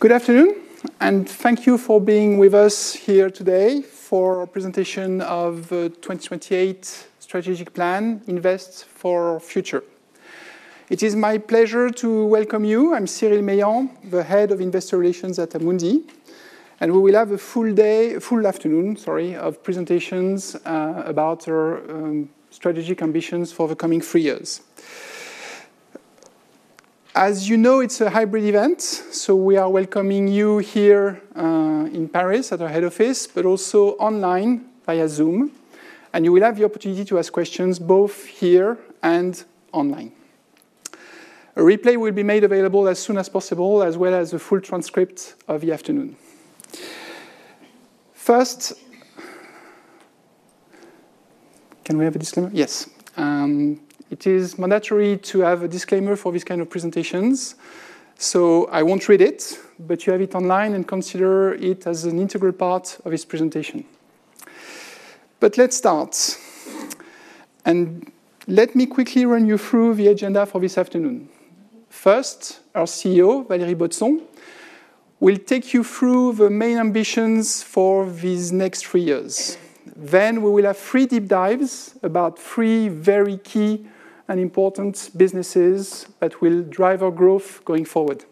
Good afternoon, and thank you for being with us here today for our presentation of the 2028 Strategic Plan: Invest for Future. It is my pleasure to welcome you. I'm Cyril Meilland, the Head of Investor Relations at Amundi, and we will have a full day, a full afternoon, sorry, of presentations about our strategic ambitions for the coming three years. As you know, it's a hybrid event, so we are welcoming you here in Paris at our head office, but also online via Zoom, and you will have the opportunity to ask questions both here and online. A replay will be made available as soon as possible, as well as the full transcript of the afternoon. First, can we have a disclaimer? Yes. It is mandatory to have a disclaimer for these kinds of presentations, so I will not read it, but you have it online and consider it as an integral part of this presentation. Let us start, and let me quickly run you through the agenda for this afternoon. First, our CEO, Valérie Baudson, will take you through the main ambitions for these next three years. Then we will have three deep dives about three very key and important businesses that will drive our growth going forward.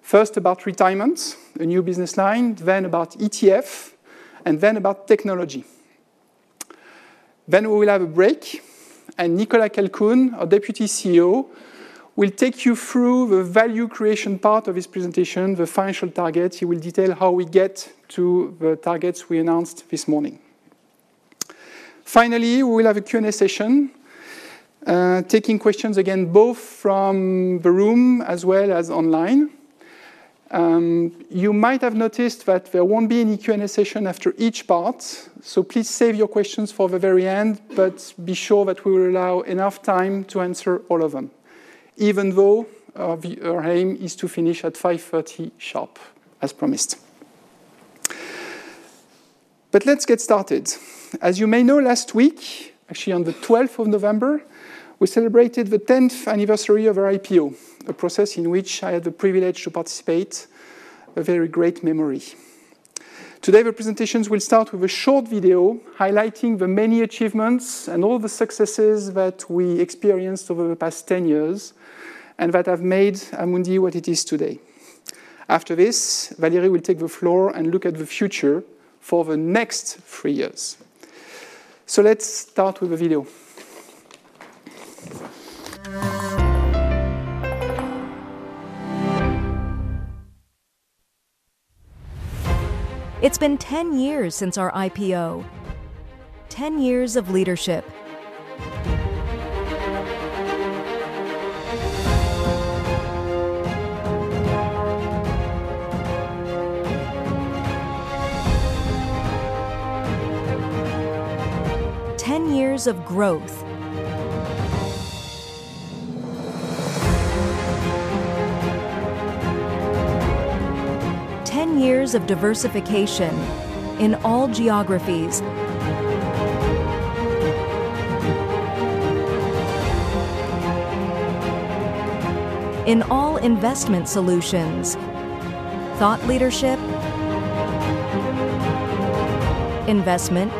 First, about retirement, a new business line, then about ETF, and then about technology. We will have a break, and Nicolas Calcoen, our Deputy CEO, will take you through the value creation part of his presentation, the financial targets. He will detail how we get to the targets we announced this morning. Finally, we will have a Q&A session, taking questions again both from the room as well as online. You might have noticed that there will not be any Q&A session after each part, so please save your questions for the very end, but be sure that we will allow enough time to answer all of them, even though our aim is to finish at 5:30 P.M. sharp, as promised. Let us get started. As you may know, last week, actually on the 12th of November, we celebrated the 10th anniversary of our IPO, a process in which I had the privilege to participate, a very great memory. Today, the presentations will start with a short video highlighting the many achievements and all the successes that we experienced over the past 10 years and that have made Amundi what it is today. After this, Valérie will take the floor and look at the future for the next three years. Let's start with the video. It's been 10 years since our IPO, 10 years of leadership, 10 years of growth, 10 years of diversification in all geographies, in all investment solutions, thought leadership, investment,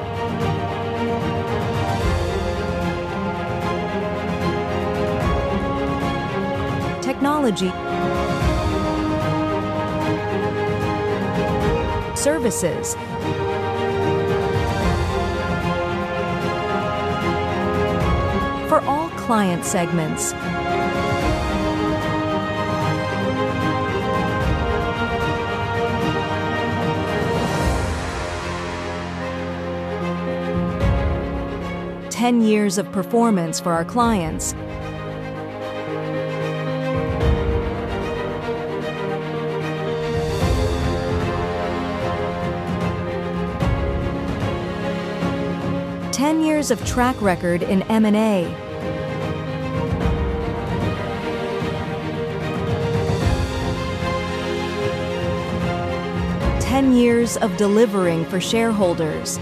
technology, services for all client segments, 10 years of performance for our clients, 10 years of track record in M&A, 10 years of delivering for shareholders,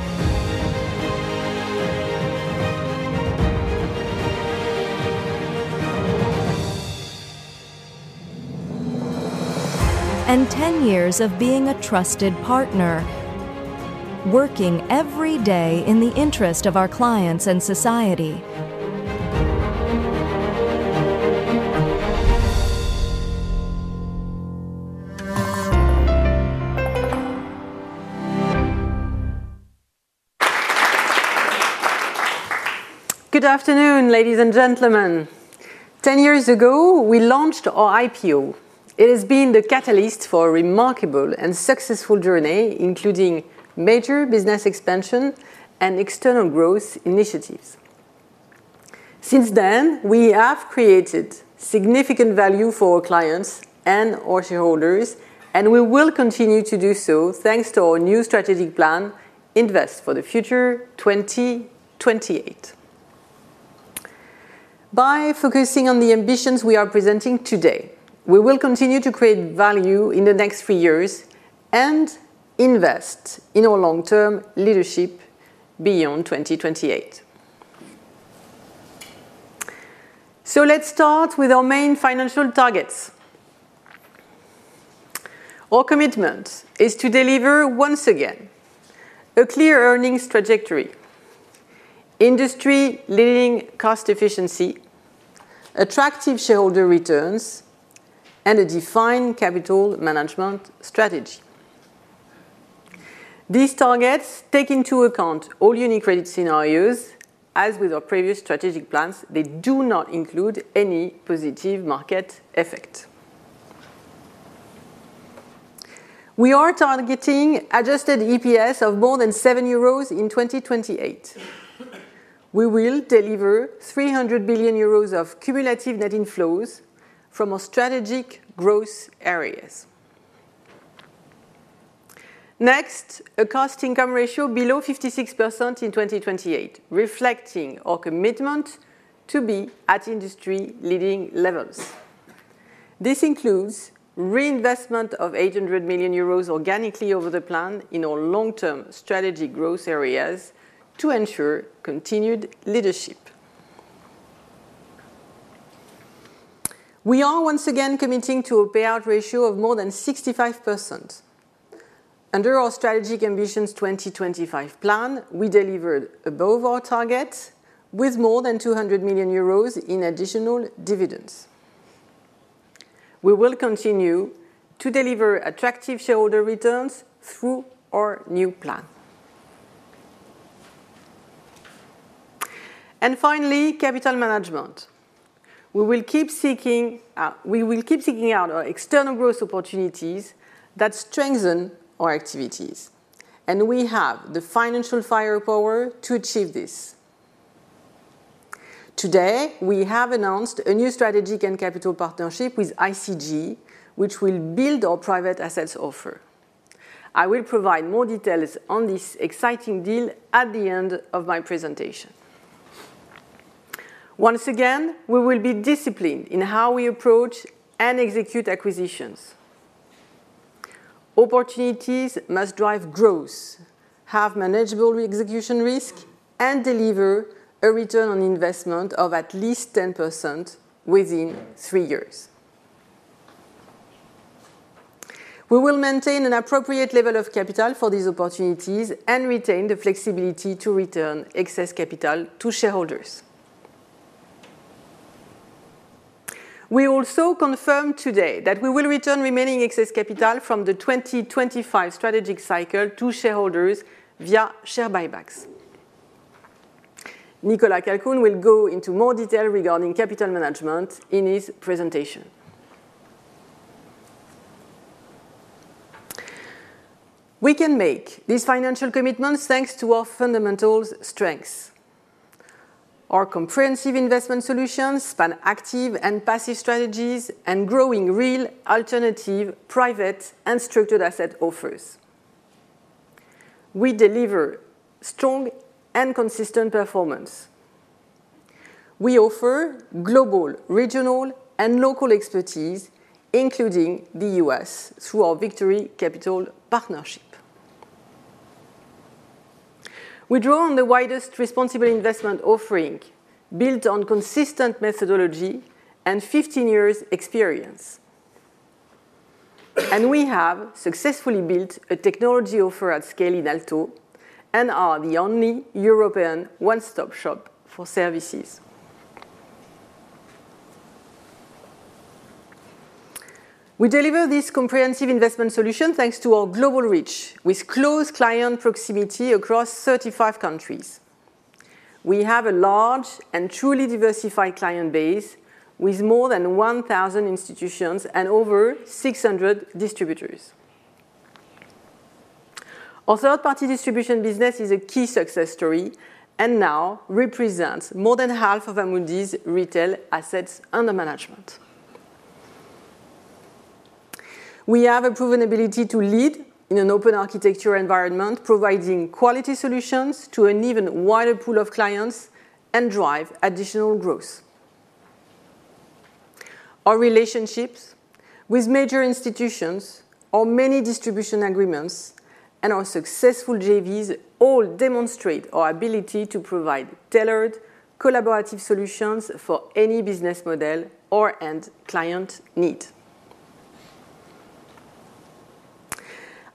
and 10 years of being a trusted partner, working every day in the interest of our clients and society. Good afternoon, ladies and gentlemen. 10 years ago, we launched our IPO. It has been the catalyst for a remarkable and successful journey, including major business expansion and external growth initiatives. Since then, we have created significant value for our clients and our shareholders, and we will continue to do so thanks to our new strategic plan, Invest for the Future 2028. By focusing on the ambitions we are presenting today, we will continue to create value in the next three years and invest in our long-term leadership beyond 2028. Let's start with our main financial targets. Our commitment is to deliver, once again, a clear earnings trajectory, industry-leading cost efficiency, attractive shareholder returns, and a defined capital management strategy. These targets take into account all UniCredit scenarios. As with our previous strategic plans, they do not include any positive market effect. We are targeting adjusted EPS of more than 7 euros in 2028. We will deliver 300 billion euros of cumulative net inflows from our strategic growth areas. Next, a cost-income ratio below 56% in 2028, reflecting our commitment to be at industry-leading levels. This includes reinvestment of 800 million euros organically over the plan in our long-term strategic growth areas to ensure continued leadership. We are, once again, committing to a payout ratio of more than 65%. Under our Strategic Ambitions 2025 plan, we delivered above our target with more than 200 million euros in additional dividends. We will continue to deliver attractive shareholder returns through our new plan. Finally, capital management. We will keep seeking out our external growth opportunities that strengthen our activities, and we have the financial firepower to achieve this. Today, we have announced a new strategic and capital partnership with ICG, which will build our private assets offer. I will provide more details on this exciting deal at the end of my presentation. Once again, we will be disciplined in how we approach and execute acquisitions. Opportunities must drive growth, have manageable execution risk, and deliver a return on investment of at least 10% within three years. We will maintain an appropriate level of capital for these opportunities and retain the flexibility to return excess capital to shareholders. We also confirmed today that we will return remaining excess capital from the 2025 strategic cycle to shareholders via share buybacks. Nicolas Calcoen will go into more detail regarding capital management in his presentation. We can make these financial commitments thanks to our fundamental strengths. Our comprehensive investment solutions span active and passive strategies and growing real alternative private and structured asset offers. We deliver strong and consistent performance. We offer global, regional, and local expertise, including the U.S., through our Victory Capital partnership. We draw on the widest responsible investment offering built on consistent methodology and 15 years' experience. We have successfully built a technology offer at scale in ALTO and are the only European one-stop shop for services. We deliver this comprehensive investment solution thanks to our global reach with close client proximity across 35 countries. We have a large and truly diversified client base with more than 1,000 institutions and over 600 distributors. Our third-party distribution business is a key success story and now represents more than half of Amundi's retail assets under management. We have a proven ability to lead in an open architecture environment, providing quality solutions to an even wider pool of clients and drive additional growth. Our relationships with major institutions, our many distribution agreements, and our successful JVs all demonstrate our ability to provide tailored, collaborative solutions for any business model or end client need.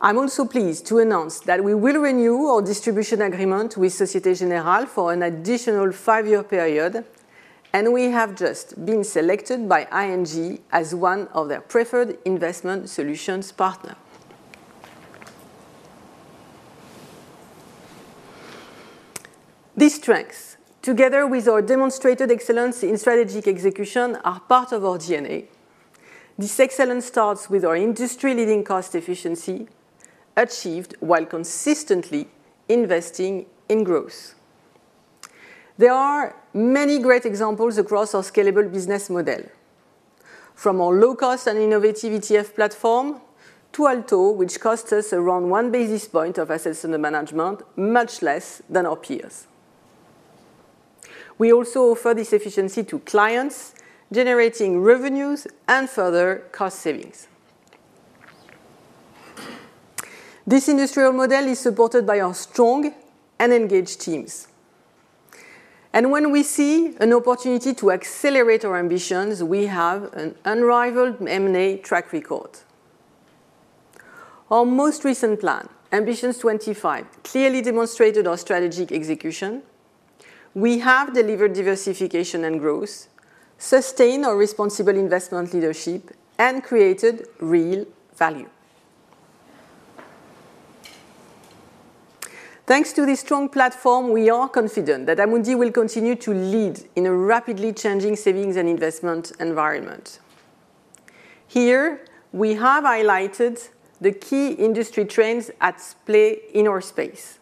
I'm also pleased to announce that we will renew our distribution agreement with Société Générale for an additional five-year period, and we have just been selected by ING as one of their preferred investment solutions partners. These strengths, together with our demonstrated excellence in strategic execution, are part of our DNA. This excellence starts with our industry-leading cost efficiency achieved while consistently investing in growth. There are many great examples across our scalable business model, from our low-cost and innovative ETF platform to ALTO, which costs us around one basis point of assets under management, much less than our peers. We also offer this efficiency to clients, generating revenues and further cost savings. This industrial model is supported by our strong and engaged teams. When we see an opportunity to accelerate our ambitions, we have an unrivaled M&A track record. Our most recent plan, Ambitions 25, clearly demonstrated our strategic execution. We have delivered diversification and growth, sustained our responsible investment leadership, and created real value. Thanks to this strong platform, we are confident that Amundi will continue to lead in a rapidly changing savings and investment environment. Here, we have highlighted the key industry trends at play in our space.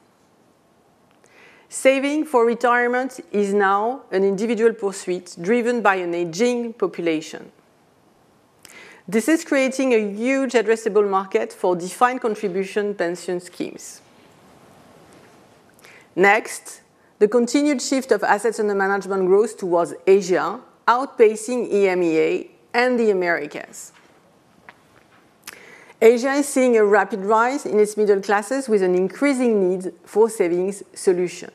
Saving for retirement is now an individual pursuit driven by an aging population. This is creating a huge addressable market for defined contribution pension schemes. Next, the continued shift of assets under management grows towards Asia, outpacing EMEA and the Americas. Asia is seeing a rapid rise in its middle classes with an increasing need for savings solutions.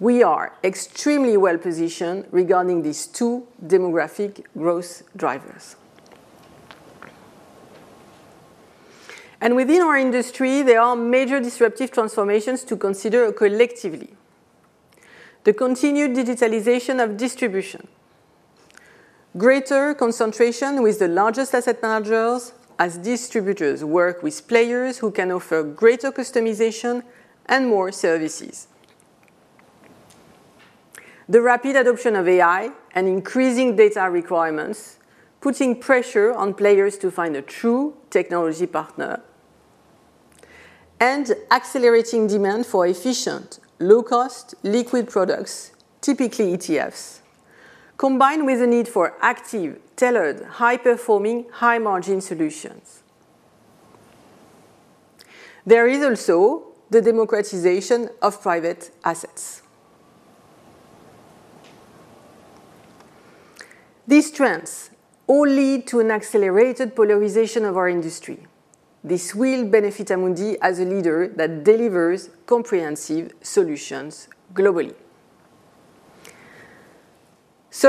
We are extremely well-positioned regarding these two demographic growth drivers. Within our industry, there are major disruptive transformations to consider collectively: the continued digitalization of distribution, greater concentration with the largest asset managers as distributors work with players who can offer greater customization and more services, the rapid adoption of AI and increasing data requirements, putting pressure on players to find a true technology partner, and accelerating demand for efficient, low-cost liquid products, typically ETFs, combined with the need for active, tailored, high-performing, high-margin solutions. There is also the democratization of private assets. These trends all lead to an accelerated polarization of our industry. This will benefit Amundi as a leader that delivers comprehensive solutions globally.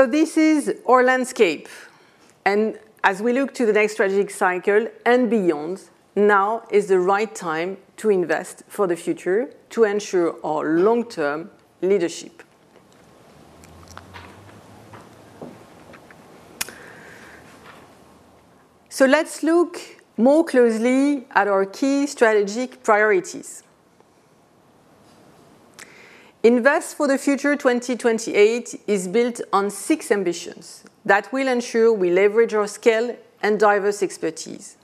This is our landscape. As we look to the next strategic cycle and beyond, now is the right time to invest for the future to ensure our long-term leadership. Let's look more closely at our key strategic priorities. Invest for the Future 2028 is built on six ambitions that will ensure we leverage our scale and diverse expertise,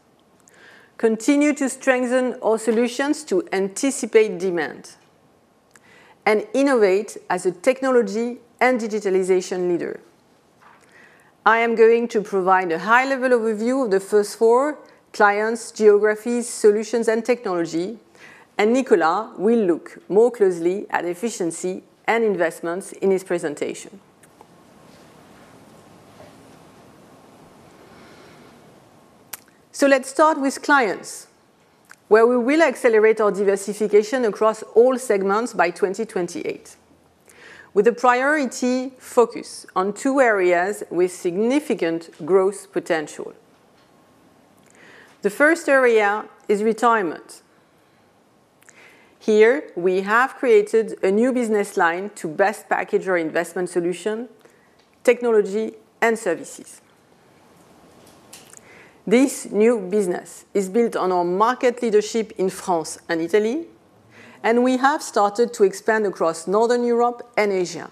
continue to strengthen our solutions to anticipate demand, and innovate as a technology and digitalization leader. I am going to provide a high-level overview of the first four: clients, geographies, solutions, and technology, and Nicolas will look more closely at efficiency and investments in his presentation. Let's start with clients, where we will accelerate our diversification across all segments by 2028, with a priority focus on two areas with significant growth potential. The first area is retirement. Here, we have created a new business line to best package our investment solution, technology, and services. This new business is built on our market leadership in France and Italy, and we have started to expand across Northern Europe and Asia.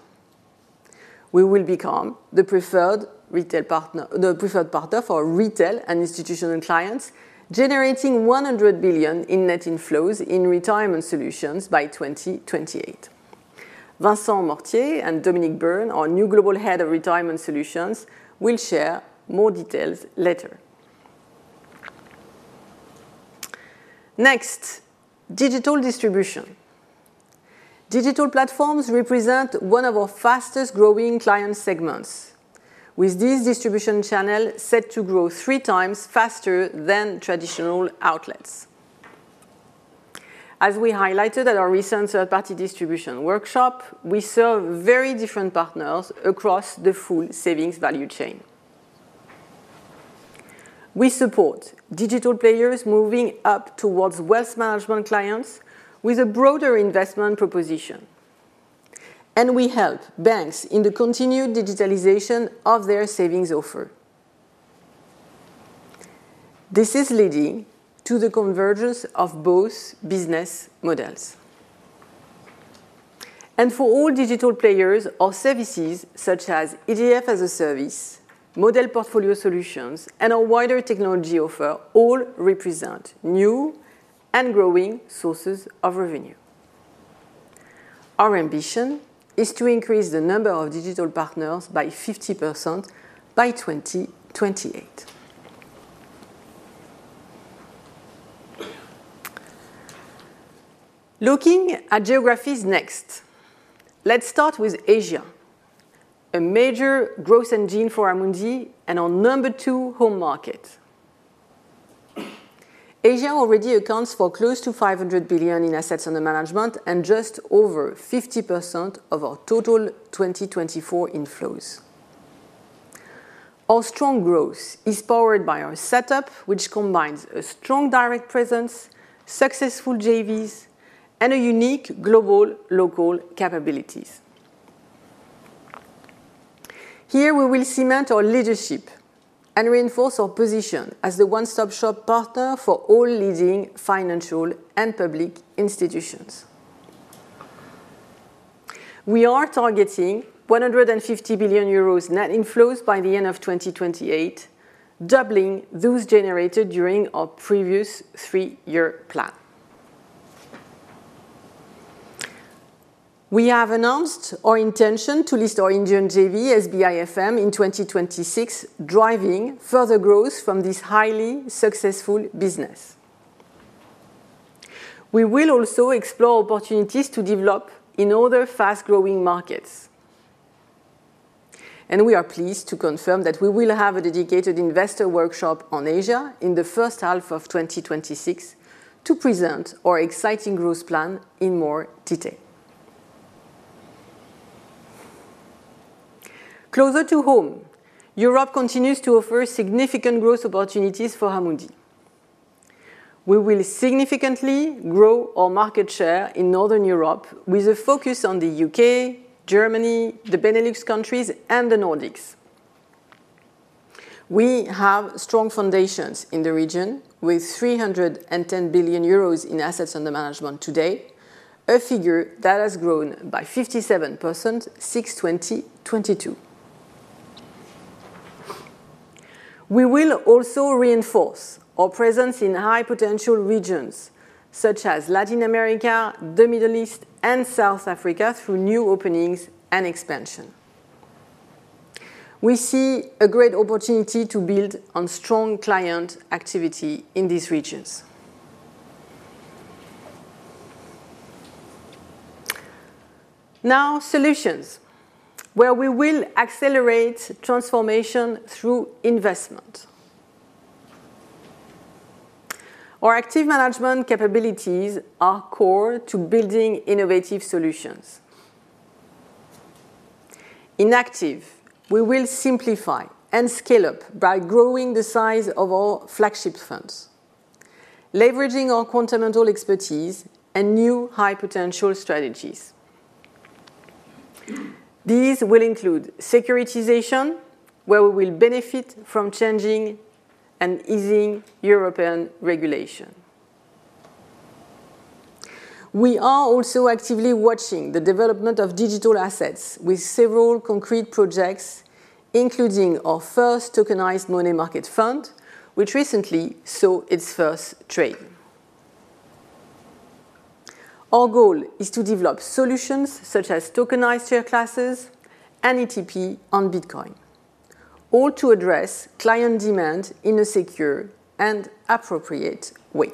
We will become the preferred retail partner for retail and institutional clients, generating 100 billion in net inflows in retirement solutions by 2028. Vincent Mortier and Dominic Byrne, our new Global Head of Retirement Solutions, will share more details later. Next, digital distribution. Digital platforms represent one of our fastest-growing client segments, with these distribution channels set to grow three times faster than traditional outlets. As we highlighted at our recent third-party distribution workshop, we serve very different partners across the full savings value chain. We support digital players moving up towards wealth management clients with a broader investment proposition, and we help banks in the continued digitalization of their savings offer. This is leading to the convergence of both business models. For all digital players, our services, such as ETF as a service, model portfolio solutions, and our wider technology offer, all represent new and growing sources of revenue. Our ambition is to increase the number of digital partners by 50% by 2028. Looking at geographies next, let's start with Asia, a major growth engine for Amundi and our number two home market. Asia already accounts for close to 500 billion in assets under management and just over 50% of our total 2024 inflows. Our strong growth is powered by our setup, which combines a strong direct presence, successful JVs, and unique global local capabilities. Here, we will cement our leadership and reinforce our position as the one-stop shop partner for all leading financial and public institutions. We are targeting 150 billion euros net inflows by the end of 2028, doubling those generated during our previous three-year plan. We have announced our intention to list our Indian JV, SBI FM, in 2026, driving further growth from this highly successful business. We will also explore opportunities to develop in other fast-growing markets. We are pleased to confirm that we will have a dedicated investor workshop on Asia in the first half of 2026 to present our exciting growth plan in more detail. Closer to home, Europe continues to offer significant growth opportunities for Amundi. We will significantly grow our market share in Northern Europe with a focus on the U.K., Germany, the Benelux countries, and the Nordics. We have strong foundations in the region with 310 billion euros in assets under management today, a figure that has grown by 57% since 2022. We will also reinforce our presence in high-potential regions such as Latin America, the Middle East, and South Africa through new openings and expansion. We see a great opportunity to build on strong client activity in these regions. Now, solutions, where we will accelerate transformation through investment. Our active management capabilities are core to building innovative solutions. In active, we will simplify and scale up by growing the size of our flagship funds, leveraging our continental expertise and new high-potential strategies. These will include securitization, where we will benefit from changing and easing European regulation. We are also actively watching the development of digital assets with several concrete projects, including our first tokenized money market fund, which recently saw its first trade. Our goal is to develop solutions such as tokenized share classes and ETP on Bitcoin, all to address client demand in a secure and appropriate way.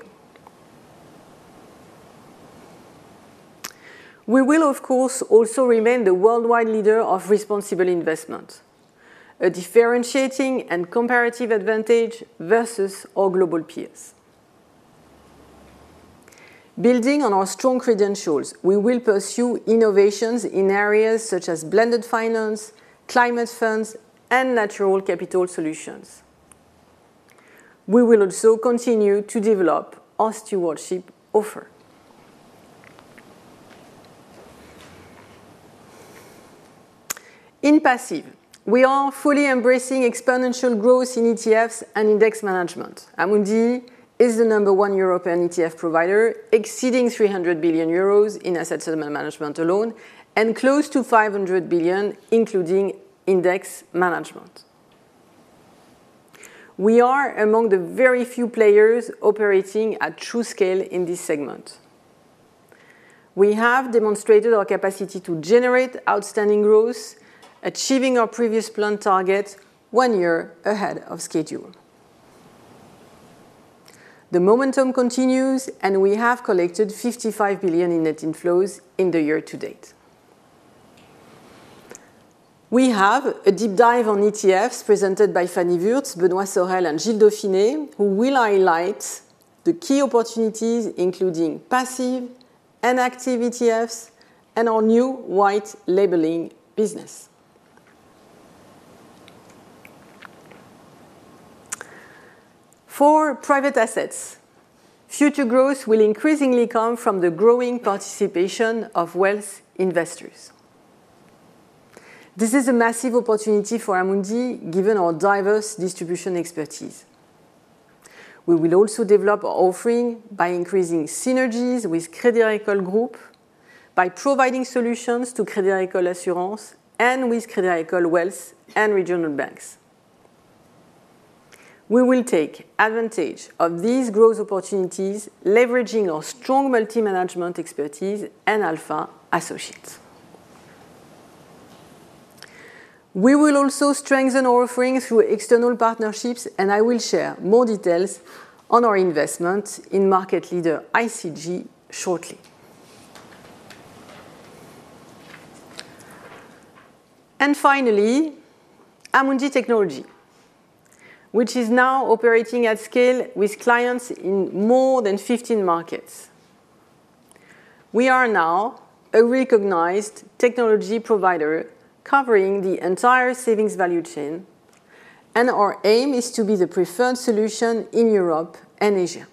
We will, of course, also remain the worldwide leader of responsible investment, a differentiating and comparative advantage versus our global peers. Building on our strong credentials, we will pursue innovations in areas such as blended finance, climate funds, and natural capital solutions. We will also continue to develop our stewardship offer. In passive, we are fully embracing exponential growth in ETFs and index management. Amundi is the number one European ETF provider, exceeding 300 billion euros in assets under management alone and close to 500 billion, including index management. We are among the very few players operating at true scale in this segment. We have demonstrated our capacity to generate outstanding growth, achieving our previous planned target one year ahead of schedule. The momentum continues, and we have collected 55 billion in net inflows in the year to date. We have a deep dive on ETFs presented by Fannie Wurtz, Benoît Sorel, and Gilles Dauphine, who will highlight the key opportunities, including passive and active ETFs and our new white labeling business. For private assets, future growth will increasingly come from the growing participation of wealth investors. This is a massive opportunity for Amundi, given our diverse distribution expertise. We will also develop our offering by increasing synergies with Crédit Agricole Group, by providing solutions to Crédit Agricole Assurance, and with Crédit Agricole Wealth and regional banks. We will take advantage of these growth opportunities, leveraging our strong multi-management expertise and Alpha Associates. We will also strengthen our offering through external partnerships, and I will share more details on our investment in market leader ICG shortly. Finally, Amundi Technology, which is now operating at scale with clients in more than 15 markets. We are now a recognized technology provider covering the entire savings value chain, and our aim is to be the preferred solution in Europe and Asia.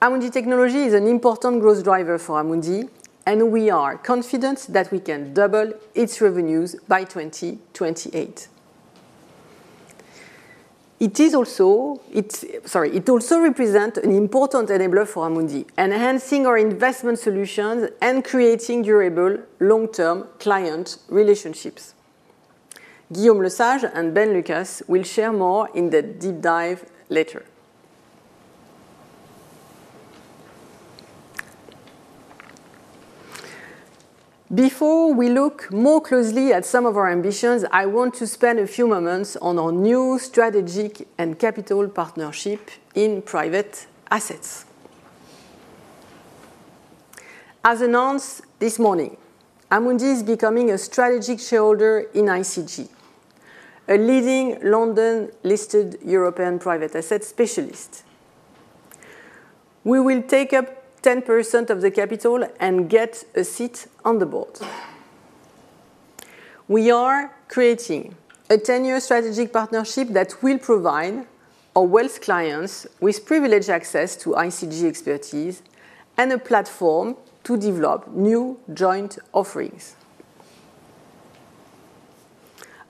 Amundi Technology is an important growth driver for Amundi, and we are confident that we can double its revenues by 2028. It is also, sorry, it also represents an important enabler for Amundi, enhancing our investment solutions and creating durable long-term client relationships. Guillaume Lesage and Ben Lucas will share more in the deep dive later. Before we look more closely at some of our ambitions, I want to spend a few moments on our new strategic and capital partnership in private assets. As announced this morning, Amundi is becoming a strategic shareholder in ICG, a leading London-listed European private asset specialist. We will take up 10% of the capital and get a seat on the board. We are creating a ten-year strategic partnership that will provide our wealth clients with privileged access to ICG expertise and a platform to develop new joint offerings.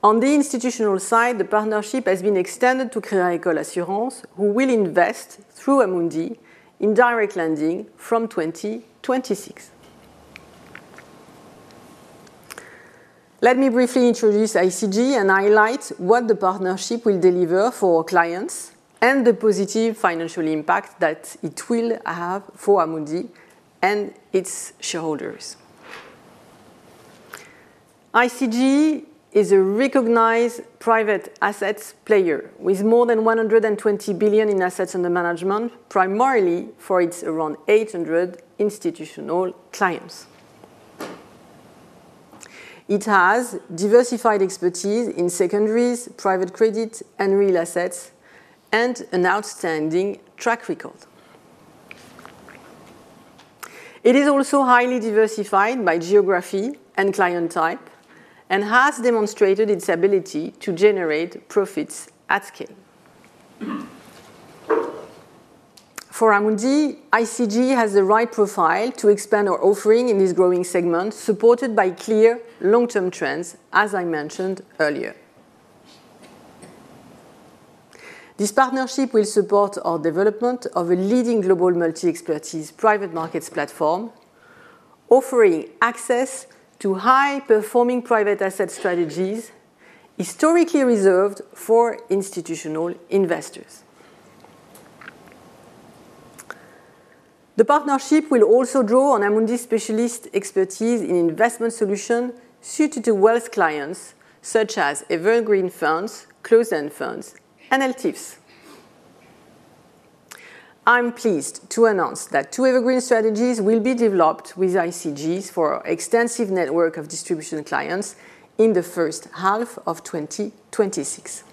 On the institutional side, the partnership has been extended to Crédit Agricole Assurance, who will invest through Amundi in direct lending from 2026. Let me briefly introduce ICG and highlight what the partnership will deliver for our clients and the positive financial impact that it will have for Amundi and its shareholders. ICG is a recognized private assets player with more than 120 billion in assets under management, primarily for its around 800 institutional clients. It has diversified expertise in secondaries, private credit, and real assets, and an outstanding track record. It is also highly diversified by geography and client type and has demonstrated its ability to generate profits at scale. For Amundi, ICG has the right profile to expand our offering in this growing segment, supported by clear long-term trends, as I mentioned earlier. This partnership will support our development of a leading global multi-expertise private markets platform, offering access to high-performing private asset strategies historically reserved for institutional investors. The partnership will also draw on Amundi's specialist expertise in investment solutions suited to wealth clients, such as Evergreen Funds, Close End Funds, and LTIFs. I'm pleased to announce that two Evergreen strategies will be developed with ICG for our extensive network of distribution clients in the first half of 2026.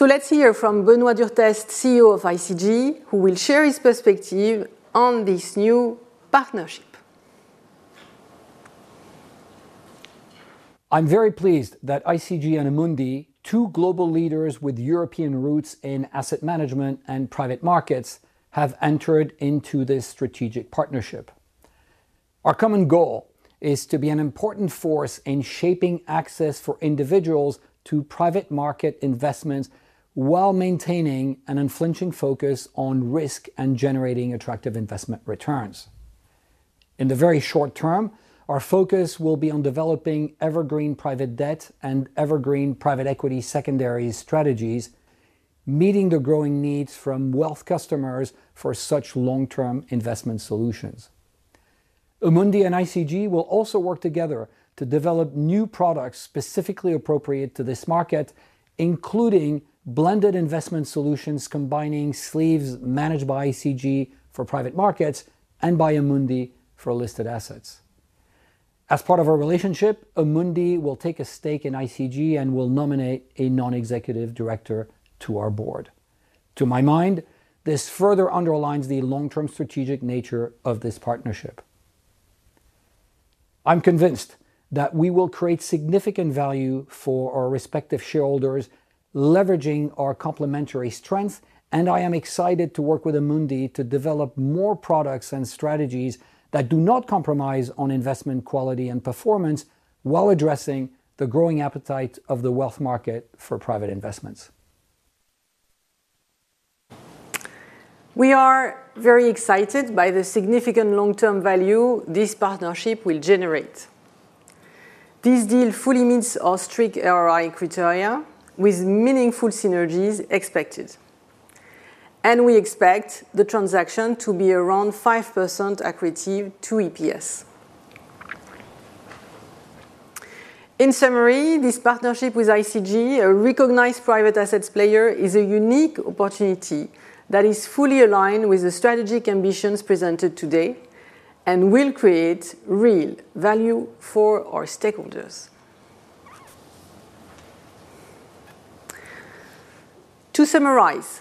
Let's hear from Benoît Durteste, CEO of ICG, who will share his perspective on this new partnership. I'm very pleased that ICG and Amundi, two global leaders with European roots in asset management and private markets, have entered into this strategic partnership. Our common goal is to be an important force in shaping access for individuals to private market investments while maintaining an unflinching focus on risk and generating attractive investment returns. In the very short term, our focus will be on developing Evergreen private debt and Evergreen private equity secondary strategies, meeting the growing needs from wealth customers for such long-term investment solutions. Amundi and ICG will also work together to develop new products specifically appropriate to this market, including blended investment solutions combining sleeves managed by ICG for private markets and by Amundi for listed assets. As part of our relationship, Amundi will take a stake in ICG and will nominate a non-executive director to our board. To my mind, this further underlines the long-term strategic nature of this partnership. I'm convinced that we will create significant value for our respective shareholders, leveraging our complementary strengths, and I am excited to work with Amundi to develop more products and strategies that do not compromise on investment quality and performance while addressing the growing appetite of the wealth market for private investments. We are very excited by the significant long-term value this partnership will generate. This deal fully meets our strict ROI criteria, with meaningful synergies expected, and we expect the transaction to be around 5% equity to EPS. In summary, this partnership with ICG, a recognized private assets player, is a unique opportunity that is fully aligned with the strategic ambitions presented today and will create real value for our stakeholders. To summarize,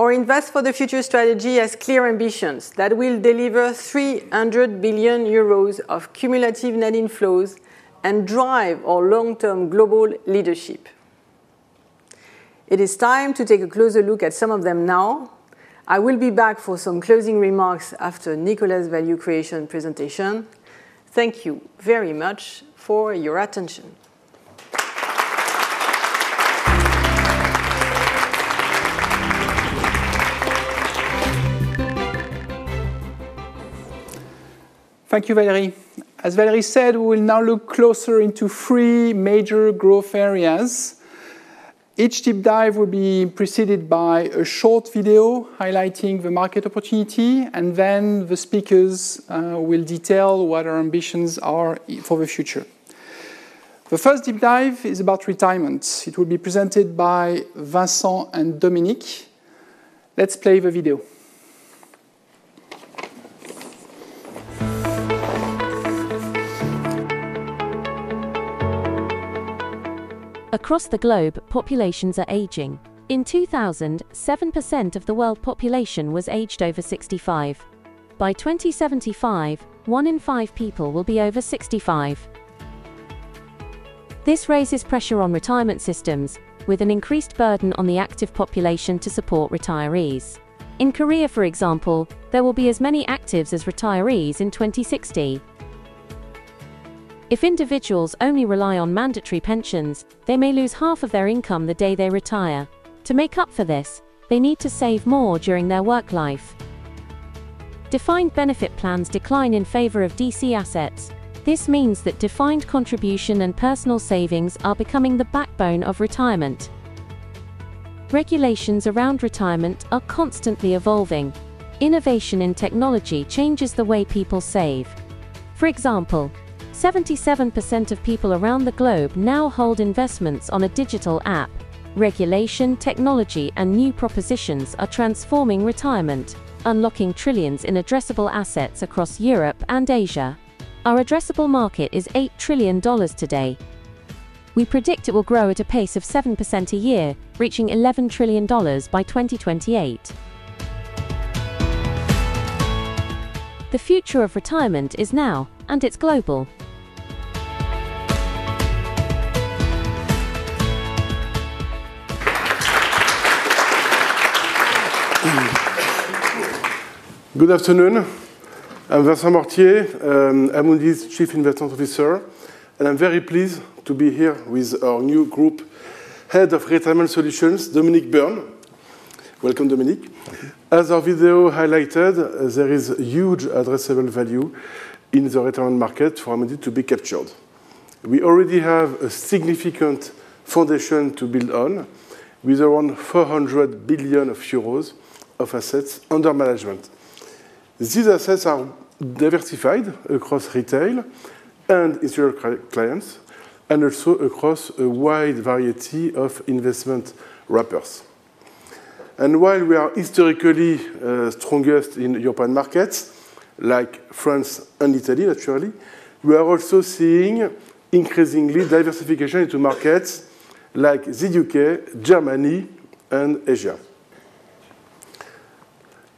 our Invest for the Future strategy has clear ambitions that will deliver 300 billion euros of cumulative net inflows and drive our long-term global leadership. It is time to take a closer look at some of them now. I will be back for some closing remarks after Nicolas' value creation presentation. Thank you very much for your attention. Thank you, Valérie. As Valérie said, we will now look closer into three major growth areas. Each deep dive will be preceded by a short video highlighting the market opportunity, and then the speakers will detail what our ambitions are for the future. The first deep dive is about retirement. It will be presented by Vincent and Dominic. Let's play the video. Across the globe, populations are aging. In 2000, 7% of the world population was aged over 65. By 2075, one in five people will be over 65. This raises pressure on retirement systems, with an increased burden on the active population to support retirees. In Korea, for example, there will be as many actives as retirees in 2060. If individuals only rely on mandatory pensions, they may lose half of their income the day they retire. To make up for this, they need to save more during their work life. Defined benefit plans decline in favor of DC assets. This means that defined contribution and personal savings are becoming the backbone of retirement. Regulations around retirement are constantly evolving. Innovation in technology changes the way people save. For example, 77% of people around the globe now hold investments on a digital app. Regulation, technology, and new propositions are transforming retirement, unlocking trillions in addressable assets across Europe and Asia. Our addressable market is $8 trillion today. We predict it will grow at a pace of 7% a year, reaching $11 trillion by 2028. The future of retirement is now, and it's global. Good afternoon. I'm Vincent Mortier, Amundi's Chief Investment Officer, and I'm very pleased to be here with our new Group Head of Retirement Solutions, Dominic Byrne. Welcome, Dominic. As our video highlighted, there is huge addressable value in the retirement market for Amundi to be captured. We already have a significant foundation to build on with around 400 billion euros of assets under management. These assets are diversified across retail and insurer clients, and also across a wide variety of investment wrappers. While we are historically strongest in European markets like France and Italy, naturally, we are also seeing increasing diversification into markets like the U.K., Germany, and Asia.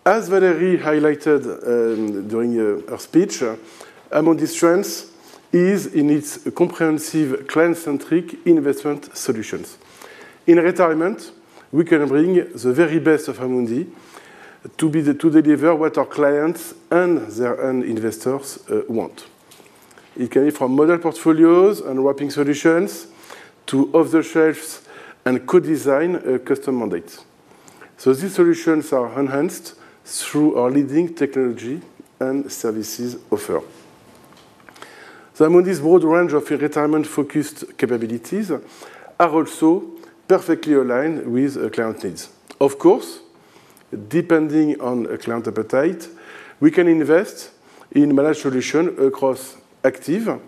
As Valérie highlighted during her speech, Amundi's strength is in its comprehensive client-centric investment solutions. In retirement, we can bring the very best of Amundi to deliver what our clients and investors want. It can be from model portfolios and wrapping solutions to off-the-shelves and co-design custom mandates. These solutions are enhanced through our leading technology and services offer. Amundi's broad range of retirement-focused capabilities are also perfectly aligned with client needs. Of course, depending on client appetite, we can invest in managed solutions across active,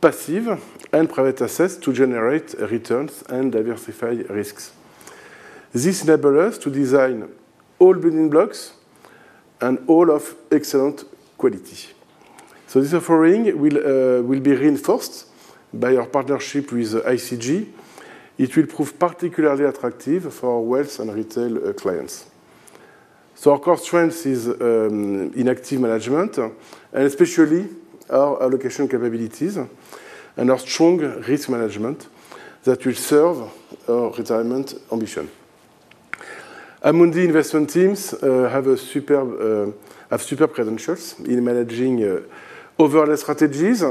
passive, and private assets to generate returns and diversify risks. This enables us to design all building blocks and all of excellent quality. This offering will be reinforced by our partnership with ICG. It will prove particularly attractive for our wealth and retail clients. Our core strength is in active management, and especially our allocation capabilities and our strong risk management that will serve our retirement ambition. Amundi investment teams have super credentials in managing overlay strategies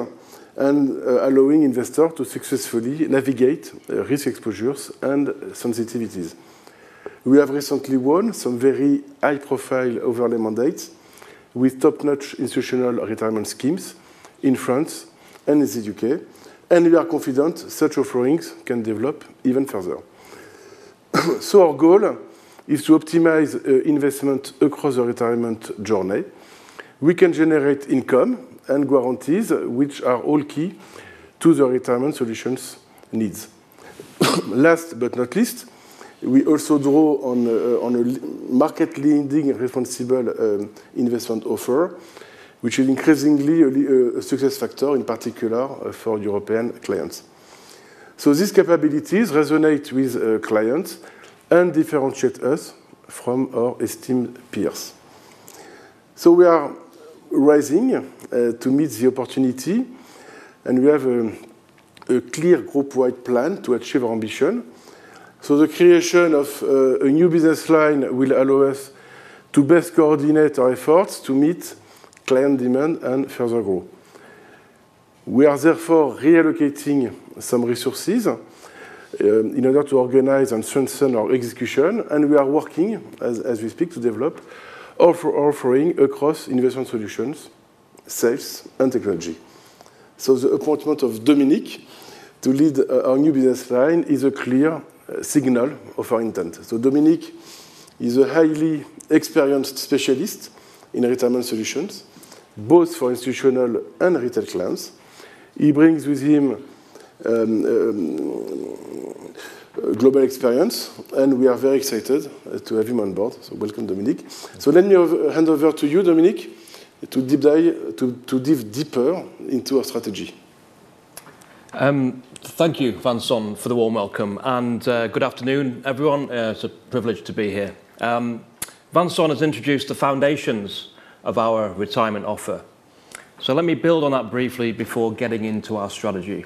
and allowing investors to successfully navigate risk exposures and sensitivities. We have recently won some very high-profile overlay mandates with top-notch institutional retirement schemes in France and in the U.K., and we are confident such offerings can develop even further. Our goal is to optimize investment across the retirement journey. We can generate income and guarantees, which are all key to the retirement solutions needs. Last but not least, we also draw on a market-leading responsible investment offer, which is increasingly a success factor, in particular for European clients. These capabilities resonate with clients and differentiate us from our esteemed peers. We are rising to meet the opportunity, and we have a clear group-wide plan to achieve our ambition. The creation of a new business line will allow us to best coordinate our efforts to meet client demand and further grow. We are therefore reallocating some resources in order to organize and strengthen our execution, and we are working, as we speak, to develop offerings across investment solutions, sales, and technology. The appointment of Dominic to lead our new business line is a clear signal of our intent. Dominic is a highly experienced specialist in retirement solutions, both for institutional and retail clients. He brings with him global experience, and we are very excited to have him on board. Welcome, Dominic. Let me hand over to you, Dominic, to dive deeper into our strategy. Thank you, Vincent, for the warm welcome, and good afternoon, everyone. It is a privilege to be here. Vincent has introduced the foundations of our retirement offer. Let me build on that briefly before getting into our strategy.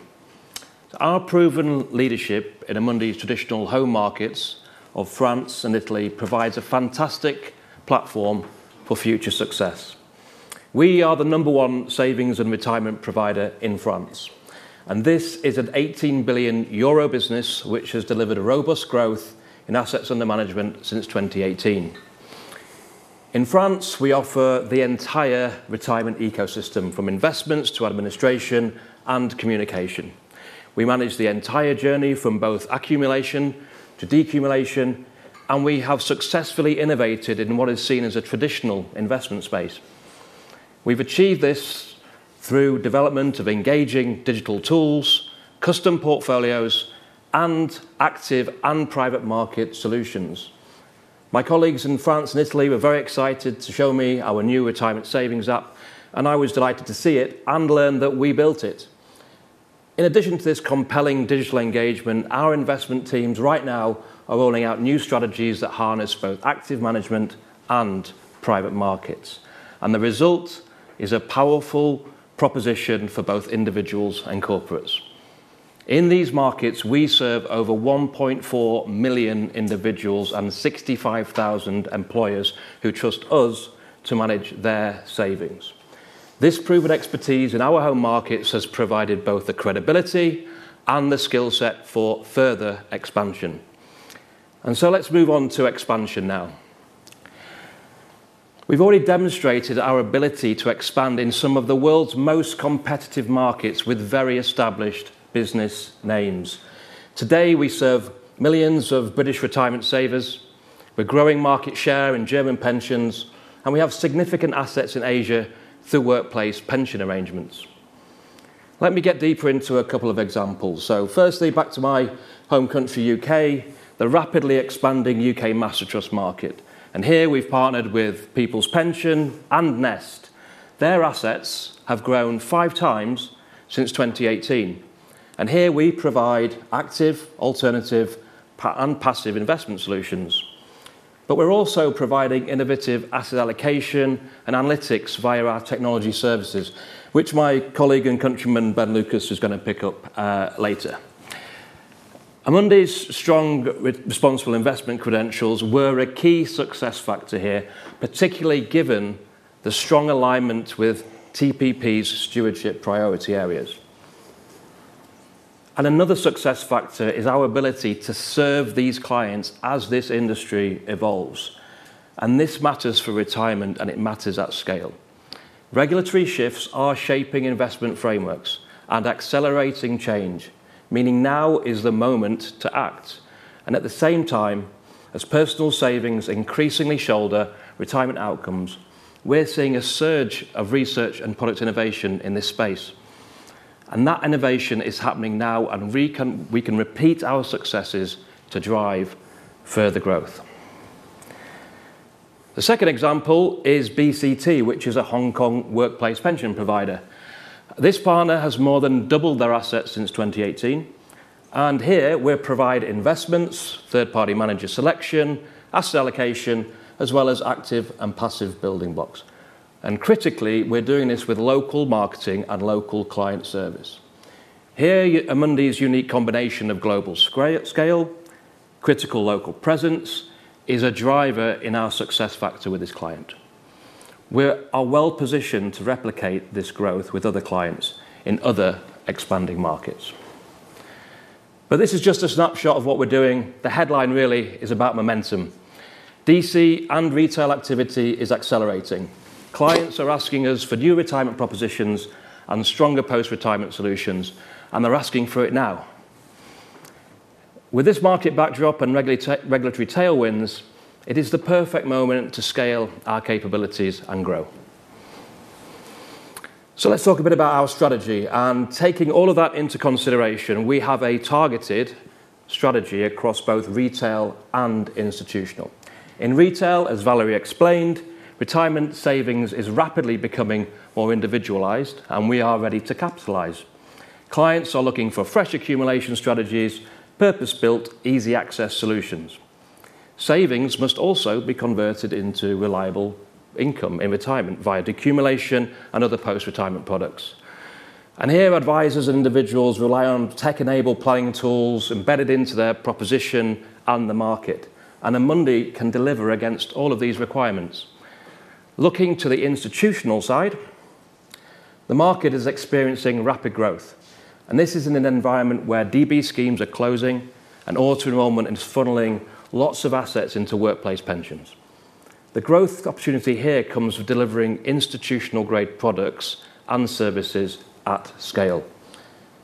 Our proven leadership in Amundi's traditional home markets of France and Italy provides a fantastic platform for future success. We are the number one savings and retirement provider in France, and this is an 18 billion euro business which has delivered robust growth in assets under management since 2018. In France, we offer the entire retirement ecosystem, from investments to administration and communication. We manage the entire journey from both accumulation to decumulation, and we have successfully innovated in what is seen as a traditional investment space. We've achieved this through the development of engaging digital tools, custom portfolios, and active and private market solutions. My colleagues in France and Italy were very excited to show me our new retirement savings app, and I was delighted to see it and learn that we built it. In addition to this compelling digital engagement, our investment teams right now are rolling out new strategies that harness both active management and private markets, and the result is a powerful proposition for both individuals and corporates. In these markets, we serve over 1.4 million individuals and 65,000 employers who trust us to manage their savings. This proven expertise in our home markets has provided both the credibility and the skill set for further expansion. Let's move on to expansion now. We have already demonstrated our ability to expand in some of the world's most competitive markets with very established business names. Today, we serve millions of British retirement savers. We are growing market share in German pensions, and we have significant assets in Asia through workplace pension arrangements. Let me get deeper into a couple of examples. Firstly, back to my home country, the U.K., the rapidly expanding U.K. Master Trust market. Here we've partnered with People's Pension and NEST. Their assets have grown five times since 2018. Here we provide active, alternative, and passive investment solutions. We're also providing innovative asset allocation and analytics via our technology services, which my colleague and countryman, Ben Lucas, is going to pick up later. Amundi's strong responsible investment credentials were a key success factor here, particularly given the strong alignment with TPP's stewardship priority areas. Another success factor is our ability to serve these clients as this industry evolves. This matters for retirement, and it matters at scale. Regulatory shifts are shaping investment frameworks and accelerating change, meaning now is the moment to act. At the same time, as personal savings increasingly shoulder retirement outcomes, we're seeing a surge of research and product innovation in this space. That innovation is happening now, and we can repeat our successes to drive further growth. The second example is BCT, which is a Hong Kong workplace pension provider. This partner has more than doubled their assets since 2018. Here we provide investments, third-party manager selection, asset allocation, as well as active and passive building blocks. Critically, we're doing this with local marketing and local client service. Here, Amundi's unique combination of global scale and critical local presence is a driver in our success factor with this client. We are well positioned to replicate this growth with other clients in other expanding markets. This is just a snapshot of what we're doing. The headline really is about momentum. DC and retail activity is accelerating. Clients are asking us for new retirement propositions and stronger post-retirement solutions, and they're asking for it now. With this market backdrop and regulatory tailwinds, it is the perfect moment to scale our capabilities and grow. Let's talk a bit about our strategy. Taking all of that into consideration, we have a targeted strategy across both retail and institutional. In retail, as Valérie explained, retirement savings is rapidly becoming more individualized, and we are ready to capitalize. Clients are looking for fresh accumulation strategies, purpose-built, easy-access solutions. Savings must also be converted into reliable income in retirement via decumulation and other post-retirement products. Here, advisors and individuals rely on tech-enabled planning tools embedded into their proposition and the market, and Amundi can deliver against all of these requirements. Looking to the institutional side, the market is experiencing rapid growth, and this is in an environment where DB schemes are closing and auto-enrollment is funneling lots of assets into workplace pensions. The growth opportunity here comes with delivering institutional-grade products and services at scale.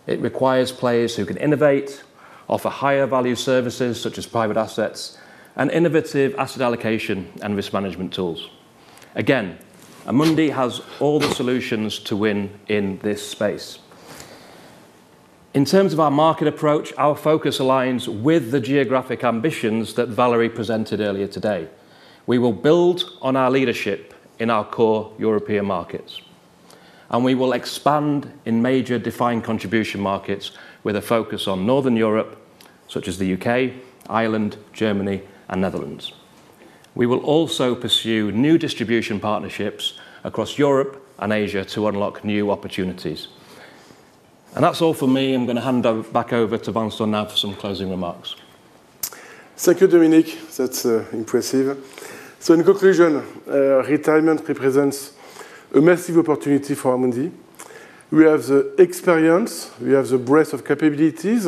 It requires players who can innovate, offer higher-value services such as private assets, and innovative asset allocation and risk management tools. Again, Amundi has all the solutions to win in this space. In terms of our market approach, our focus aligns with the geographic ambitions that Valérie presented earlier today. We will build on our leadership in our core European markets, and we will expand in major defined contribution markets with a focus on Northern Europe, such as the U.K., Ireland, Germany, and Netherlands. We will also pursue new distribution partnerships across Europe and Asia to unlock new opportunities. That is all for me. I'm going to hand back over to Vincent now for some closing remarks. Thank you, Dominic. That's impressive. In conclusion, retirement represents a massive opportunity for Amundi. We have the experience. We have the breadth of capabilities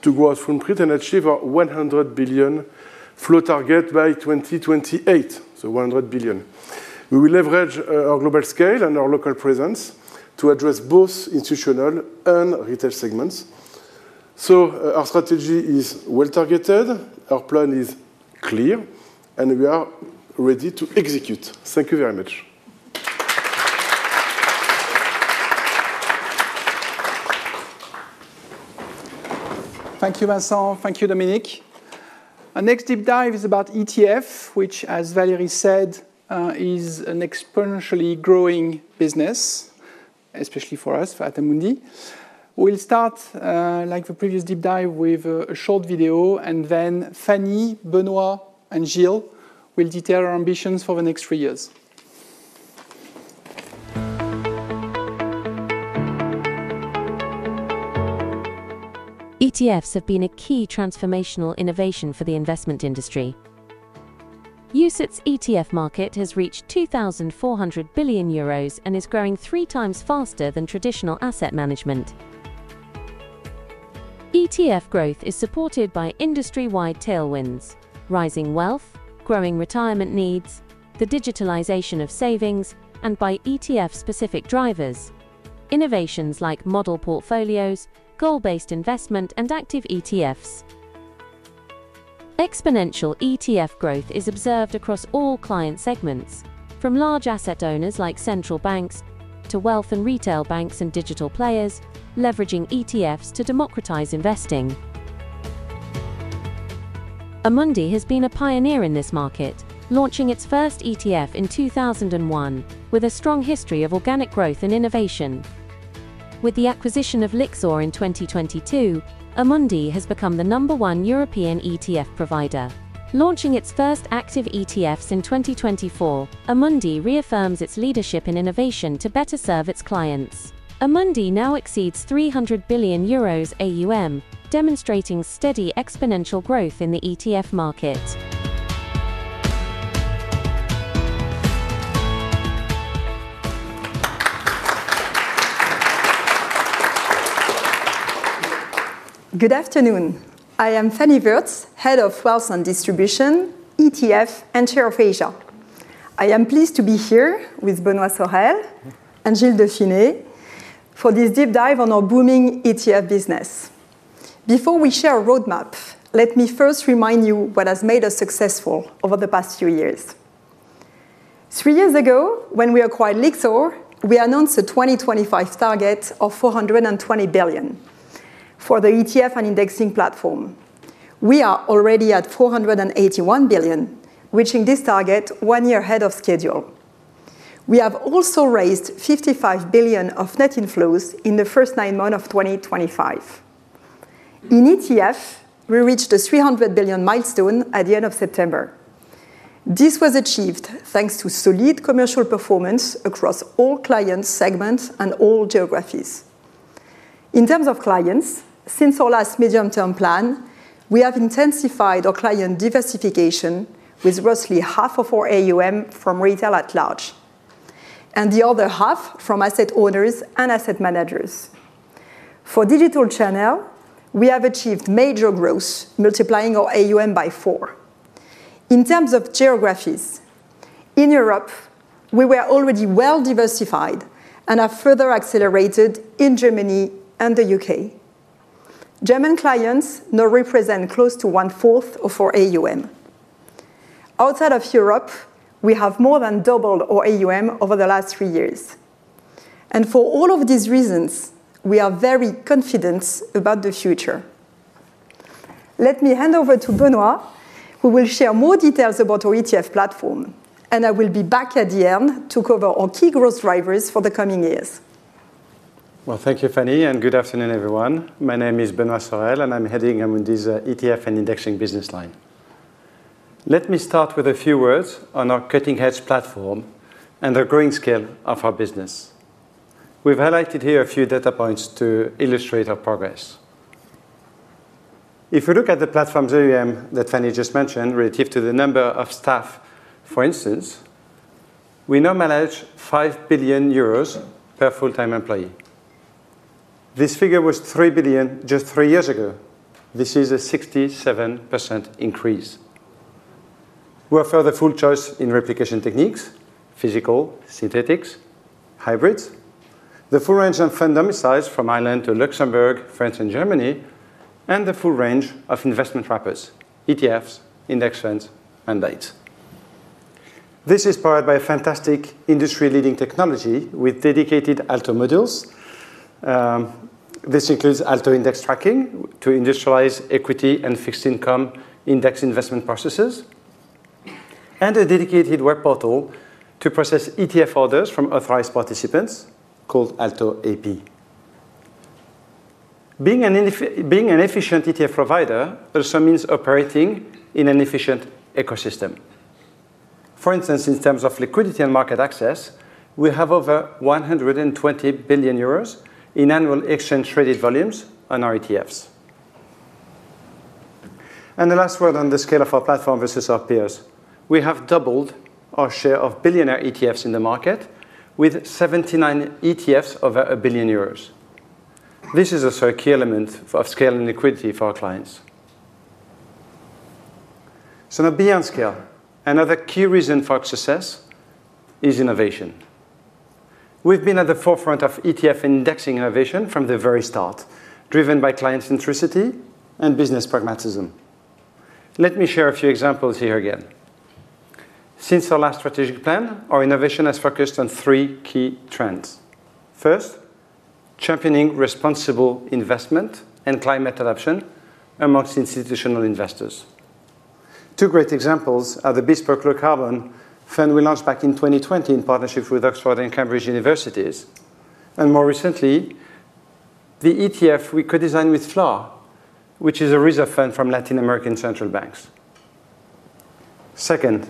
to go out from print and achieve our 100 billion float target by 2028. 100 billion. We will leverage our global scale and our local presence to address both institutional and retail segments. Our strategy is well-targeted. Our plan is clear, and we are ready to execute. Thank you very much. Thank you, Vincent. Thank you, Dominic. Our next deep dive is about ETF, which, as Valérie said, is an exponentially growing business, especially for us at Amundi. We'll start, like the previous deep dive, with a short video, and then Fannie, Benoît, and Gilles will detail our ambitions for the next three years. ETFs have been a key transformational innovation for the investment industry. The UCITS ETF market has reached 2,400 billion euros and is growing three times faster than traditional asset management. ETF growth is supported by industry-wide tailwinds, rising wealth, growing retirement needs, the digitalization of savings, and by ETF-specific drivers, innovations like model portfolios, goal-based investment, and active ETFs. Exponential ETF growth is observed across all client segments, from large asset owners like central banks to wealth and retail banks and digital players, leveraging ETFs to democratize investing. Amundi has been a pioneer in this market, launching its first ETF in 2001, with a strong history of organic growth and innovation. With the acquisition of Lyxor in 2022, Amundi has become the number one European ETF provider. Launching its first active ETFs in 2024, Amundi reaffirms its leadership in innovation to better serve its clients. Amundi now exceeds 300 billion euros AUM, demonstrating steady exponential growth in the ETF market. Good afternoon. I am Fannie Wurtz, Head of Wealth and Distribution, ETF, and Chair of Asia. I am pleased to be here with Benoît Sorel and Gilles Dauphine for this deep dive on our booming ETF business. Before we share a roadmap, let me first remind you what has made us successful over the past few years. Three years ago, when we acquired Lyxor, we announced a 2025 target of 420 billion for the ETF and indexing platform. We are already at 481 billion, reaching this target one year ahead of schedule. We have also raised 55 billion of net inflows in the first nine months of 2025. In ETF, we reached the 300 billion milestone at the end of September. This was achieved thanks to solid commercial performance across all client segments and all geographies. In terms of clients, since our last medium-term plan, we have intensified our client diversification with roughly half of our AUM from retail at large and the other half from asset owners and asset managers. For digital channel, we have achieved major growth, multiplying our AUM by four. In terms of geographies, in Europe, we were already well diversified and have further accelerated in Germany and the U.K. German clients now represent close to one-fourth of our AUM. Outside of Europe, we have more than doubled our AUM over the last three years. For all of these reasons, we are very confident about the future. Let me hand over to Benoît, who will share more details about our ETF platform, and I will be back at the end to cover our key growth drivers for the coming years. Thank you, Fannie, and good afternoon, everyone. My name is Benoît Sorel, and I'm heading Amundi's ETF and Indexing business line. Let me start with a few words on our cutting-edge platform and the growing scale of our business. We've highlighted here a few data points to illustrate our progress. If we look at the platform's AUM that Fannie just mentioned relative to the number of staff, for instance, we now manage 5 billion euros per full-time employee. This figure was 3 billion just three years ago. This is a 67% increase. We offer the full choice in replication techniques, physical, synthetics, hybrids, the full range of fund domiciles from Ireland to Luxembourg, France, and Germany, and the full range of investment wrappers, ETFs, index funds, and [LIITs]. This is powered by fantastic industry-leading technology with dedicated ALTO models. This includes ALTO index tracking to industrialize equity and fixed income index investment processes, and a dedicated web portal to process ETF orders from authorized participants called ALTO AP. Being an efficient ETF provider also means operating in an efficient ecosystem. For instance, in terms of liquidity and market access, we have over 120 billion euros in annual exchange-traded volumes on our ETFs. The last word on the scale of our platform versus our peers. We have doubled our share of billionaire ETFs in the market with 79 ETFs over 1 billion euros. This is also a key element of scaling liquidity for our clients. Now, beyond scale, another key reason for our success is innovation. We have been at the forefront of ETF indexing innovation from the very start, driven by client centricity and business pragmatism. Let me share a few examples here again. Since our last strategic plan, our innovation has focused on three key trends. First, championing responsible investment and climate adoption amongst institutional investors. Two great examples are the Bespoke Low Carbon Fund we launched back in 2020 in partnership with Oxford and Cambridge universities. More recently, the ETF we co-designed with FLAR, which is a reserve fund from Latin American central banks. Second,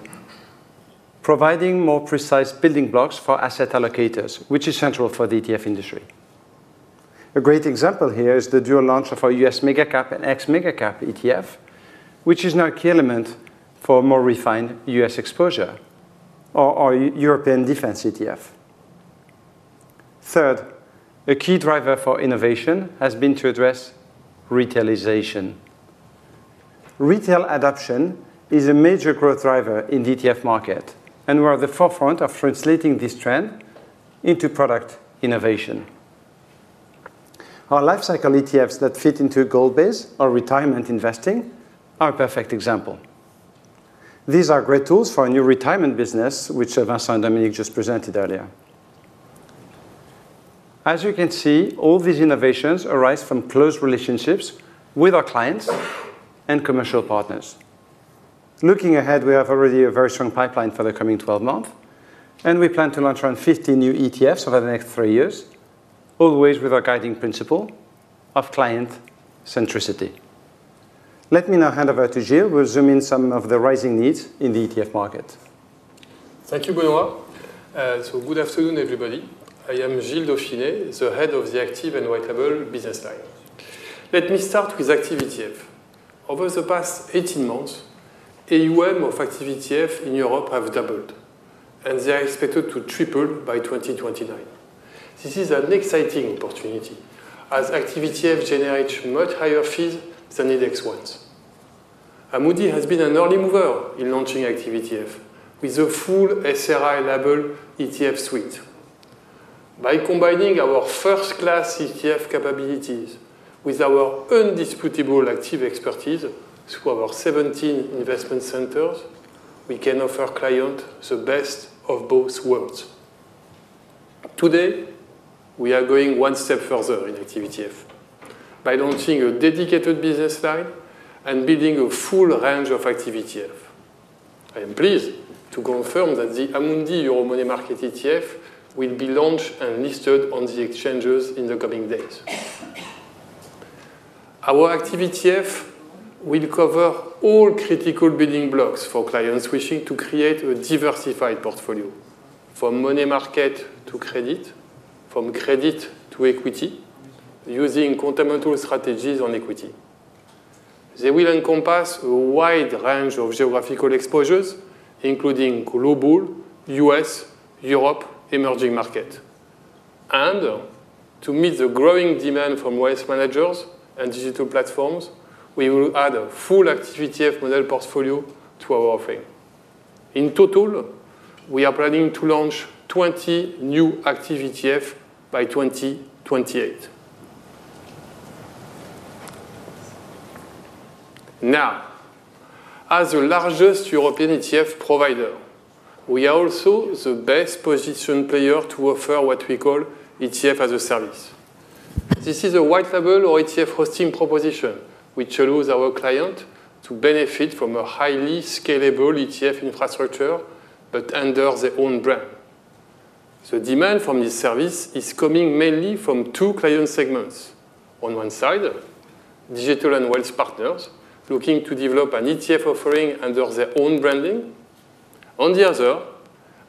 providing more precise building blocks for asset allocators, which is central for the ETF industry. A great example here is the dual launch of our U.S.Mega Cap and Ex-Mega Cap ETF, which is now a key element for more refined U.S. exposure, or our European Defense ETF. Third, a key driver for innovation has been to address retailization. Retail adoption is a major growth driver in the ETF market and we are at the forefront of translating this trend into product innovation. Our Life Cycle ETFs that fit into a goal-based or retirement investing are a perfect example. These are great tools for a new retirement business, which Vincent and Dominic just presented earlier. As you can see, all these innovations arise from close relationships with our clients and commercial partners. Looking ahead, we have already a very strong pipeline for the coming 12 months, and we plan to launch around 50 new ETFs over the next three years, always with our guiding principle of client centricity. Let me now hand over to Gilles who will zoom in on some of the rising needs in the ETF market. Thank you, Benoît. Good afternoon, everybody. I am Gilles Dauphine, the Head of the Active ETF Business Line. Let me start with Active ETF. Over the past 18 months, AUM of Active ETF in Europe have doubled, and they are expected to triple by 2029. This is an exciting opportunity as Active ETF generates much higher fees than index funds. Amundi has been an early mover in launching Active ETF with a full SRI-labeled ETF suite. By combining our first-class ETF capabilities with our undisputable active expertise through our 17 investment centers, we can offer clients the best of both worlds. Today, we are going one step further in Active ETF by launching a dedicated business line and building a full range of Active ETF. I am pleased to confirm that the Amundi Euro Money Market ETF will be launched and listed on the exchanges in the coming days. Our Active ETF will cover all critical building blocks for clients wishing to create a diversified portfolio, from money market to credit, from credit to equity, using continental strategies on equity. They will encompass a wide range of geographical exposures, including global, U.S., Europe, emerging markets. To meet the growing demand from wealth managers and digital platforms, we will add a full Active ETF model portfolio to our offering. In total, we are planning to launch 20 new Active ETFs by 2028. Now, as the largest European ETF provider, we are also the best positioned player to offer what we call ETF as a service. This is a white-label or ETF hosting proposition, which allows our clients to benefit from a highly scalable ETF infrastructure, but under their own brand. The demand for this service is coming mainly from two client segments. On one side, digital and wealth partners looking to develop an ETF offering under their own branding. On the other,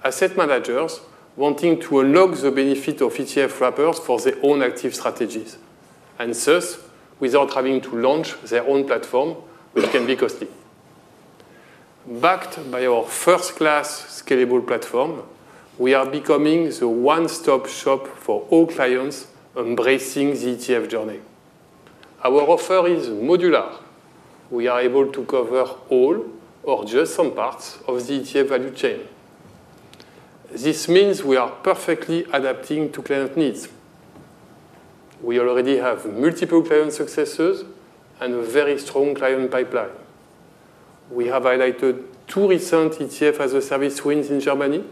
asset managers wanting to unlock the benefit of ETF wrappers for their own active strategies, and thus without having to launch their own platform, which can be costly. Backed by our first-class scalable platform, we are becoming the one-stop shop for all clients embracing the ETF journey. Our offer is modular. We are able to cover all or just some parts of the ETF value chain. This means we are perfectly adapting to client needs. We already have multiple client successes and a very strong client pipeline. We have highlighted two recent ETF as a service wins in Germany,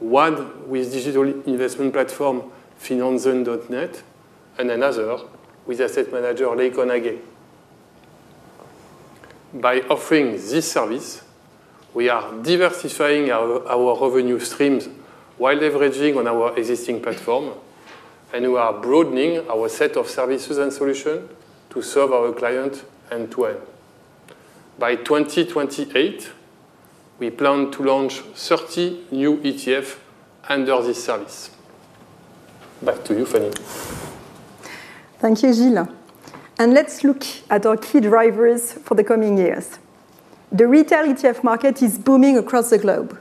one with digital investment platform Finanzen.net, and another with asset manager Leico Nagel. By offering this service, we are diversifying our revenue streams while leveraging on our existing platform, and we are broadening our set of services and solutions to serve our clients end-to-end. By 2028, we plan to launch 30 new ETFs under this service. Back to you, Fannie. Thank you, Gilles. Let's look at our key drivers for the coming years. The retail ETF market is booming across the globe.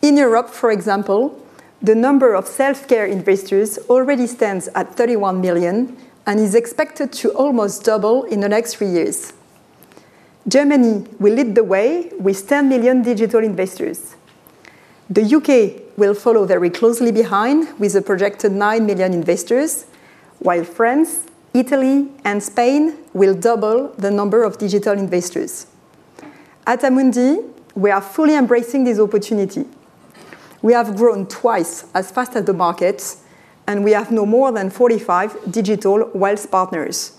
In Europe, for example, the number of self-care investors already stands at 31 million and is expected to almost double in the next three years. Germany will lead the way with 10 million digital investors. The U.K. will follow very closely behind with a projected 9 million investors, while France, Italy, and Spain will double the number of digital investors. At Amundi, we are fully embracing this opportunity. We have grown twice as fast as the market, and we have no more than 45 digital wealth partners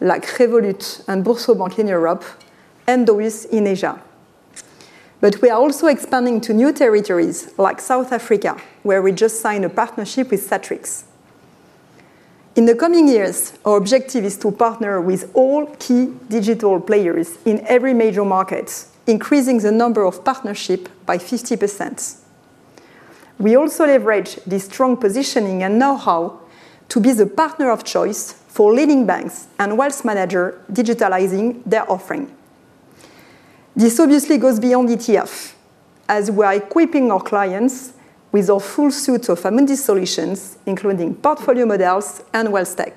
like Revolut and BoursoBank in Europe and DWS in Asia. We are also expanding to new territories like South Africa, where we just signed a partnership with Satrix. In the coming years, our objective is to partner with all key digital players in every major market, increasing the number of partnerships by 50%. We also leverage this strong positioning and know-how to be the partner of choice for leading banks and wealth managers digitalizing their offering. This obviously goes beyond ETFs, as we are equipping our clients with a full suite of Amundi solutions, including portfolio models and wealth tech.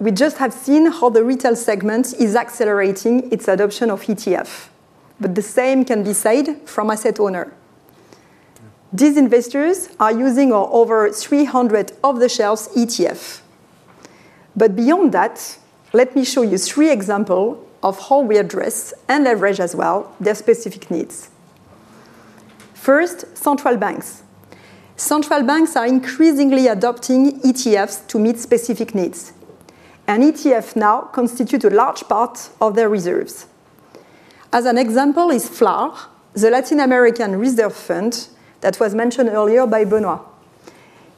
We have just seen how the retail segment is accelerating its adoption of ETFs, but the same can be said from asset owners. These investors are using our over 300 of the shares ETFs. Beyond that, let me show you three examples of how we address and leverage as well their specific needs. First, central banks. Central banks are increasingly adopting ETFs to meet specific needs, and ETFs now constitute a large part of their reserves. An example is FLAR, the Latin American reserve fund that was mentioned earlier by Benoît.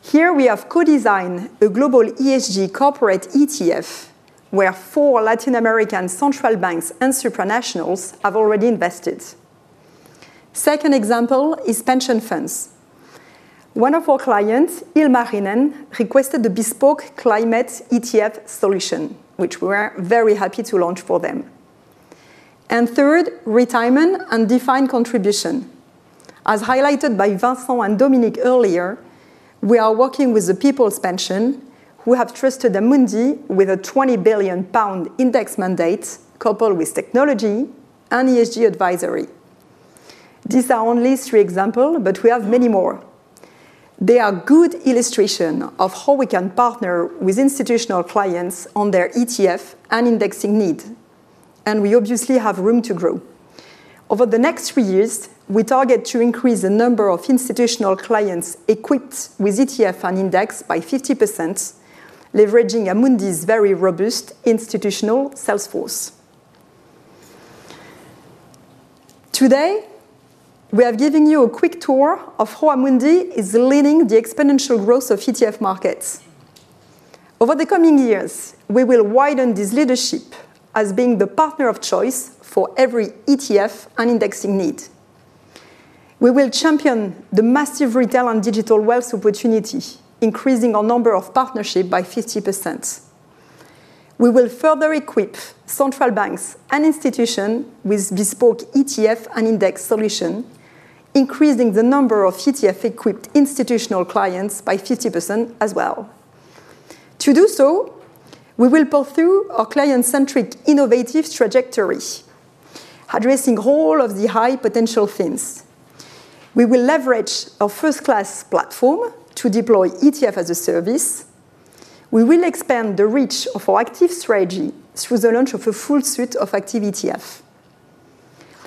Here we have co-designed a global ESG corporate ETF where four Latin American central banks and supranationals have already invested. Second example is pension funds. One of our clients, Ilmarinen, requested the Bespoke Climate ETF solution, which we were very happy to launch for them. Third, retirement and defined contribution. As highlighted by Vincent and Dominic earlier, we are working with the People's Pension who have trusted Amundi with a 20 billion pound index mandate coupled with technology and ESG advisory. These are only three examples, but we have many more. They are a good illustration of how we can partner with institutional clients on their ETF and indexing needs, and we obviously have room to grow. Over the next three years, we target to increase the number of institutional clients equipped with ETF and index by 50%, leveraging Amundi's very robust institutional sales force. Today, we have given you a quick tour of how Amundi is leading the exponential growth of ETF markets. Over the coming years, we will widen this leadership as being the partner of choice for every ETF and indexing need. We will champion the massive retail and digital wealth opportunity, increasing our number of partnerships by 50%. We will further equip central banks and institutions with Bespoke ETF and index solutions, increasing the number of ETF-equipped institutional clients by 50% as well. To do so, we will pursue our client-centric innovative trajectory, addressing all of the high potential themes. We will leverage our first-class platform to deploy ETF as a service. We will expand the reach of our active strategy through the launch of a full suite of active ETFs.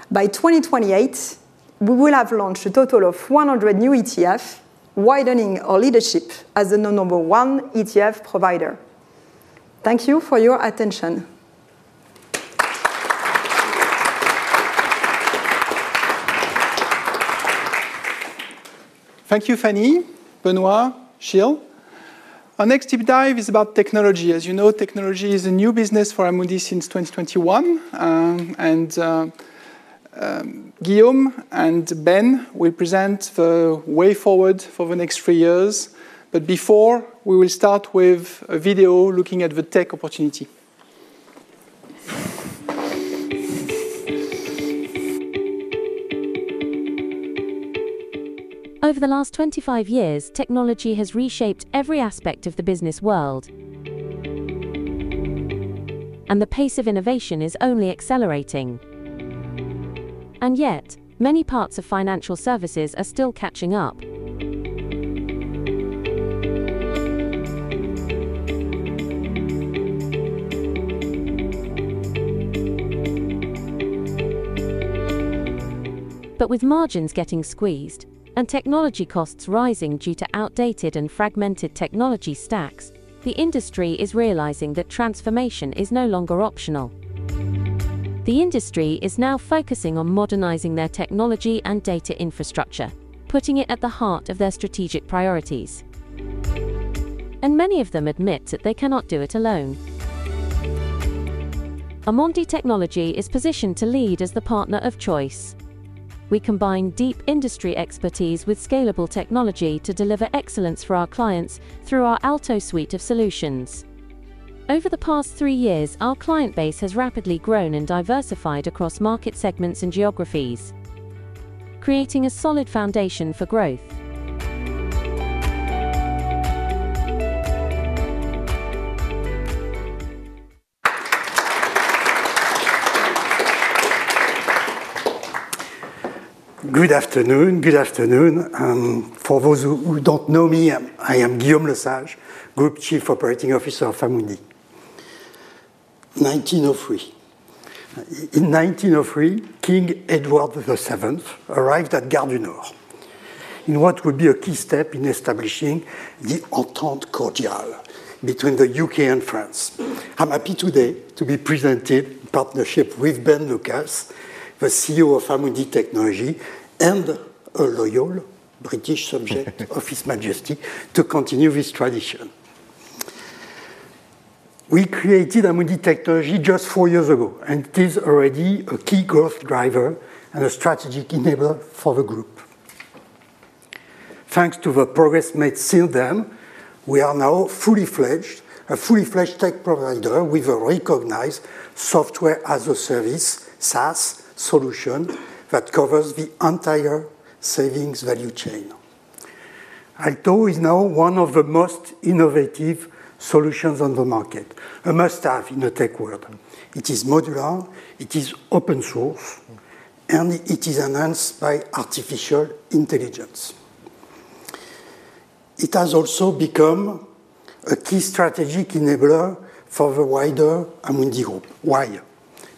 By 2028, we will have launched a total of 100 new ETFs, widening our leadership as the number one ETF provider. Thank you for your attention. Thank you, Fannie, Benoît, Gilles. Our next deep dive is about technology. As you know, technology is a new business for Amundi since 2021. Guillaume and Ben will present the way forward for the next three years. Before, we will start with a video looking at the tech opportunity. Over the last 25 years, technology has reshaped every aspect of the business world, and the pace of innovation is only accelerating. Yet, many parts of financial services are still catching up. With margins getting squeezed and technology costs rising due to outdated and fragmented technology stacks, the industry is realizing that transformation is no longer optional. The industry is now focusing on modernizing their technology and data infrastructure, putting it at the heart of their strategic priorities. Many of them admit that they cannot do it alone. Amundi Technology is positioned to lead as the partner of choice. We combine deep industry expertise with scalable technology to deliver excellence for our clients through our ALTO suite of solutions. Over the past three years, our client base has rapidly grown and diversified across market segments and geographies, creating a solid foundation for growth. Good afternoon, good afternoon. For those who don't know me, I am Guillaume Lesage, Group Chief Operating Officer of Amundi. In 1903, King Edward VII arrived at Gare du Nord in what would be a key step in establishing the Entente Cordiale between the U.K. and France. I'm happy today to be presented in partnership with Ben Lucas, the CEO of Amundi Technology, and a loyal British subject, His Majesty, to continue this tradition. We created Amundi Technology just four years ago, and it is already a key growth driver and a strategic enabler for the group. Thanks to the progress made since then, we are now fully fledged, a fully fledged tech provider with a recognized software as a service, SaaS solution that covers the entire savings value chain. ALTO is now one of the most innovative solutions on the market, a must-have in the tech world. It is modular, it is open source, and it is enhanced by artificial intelligence. It has also become a key strategic enabler for the wider Amundi group. Why?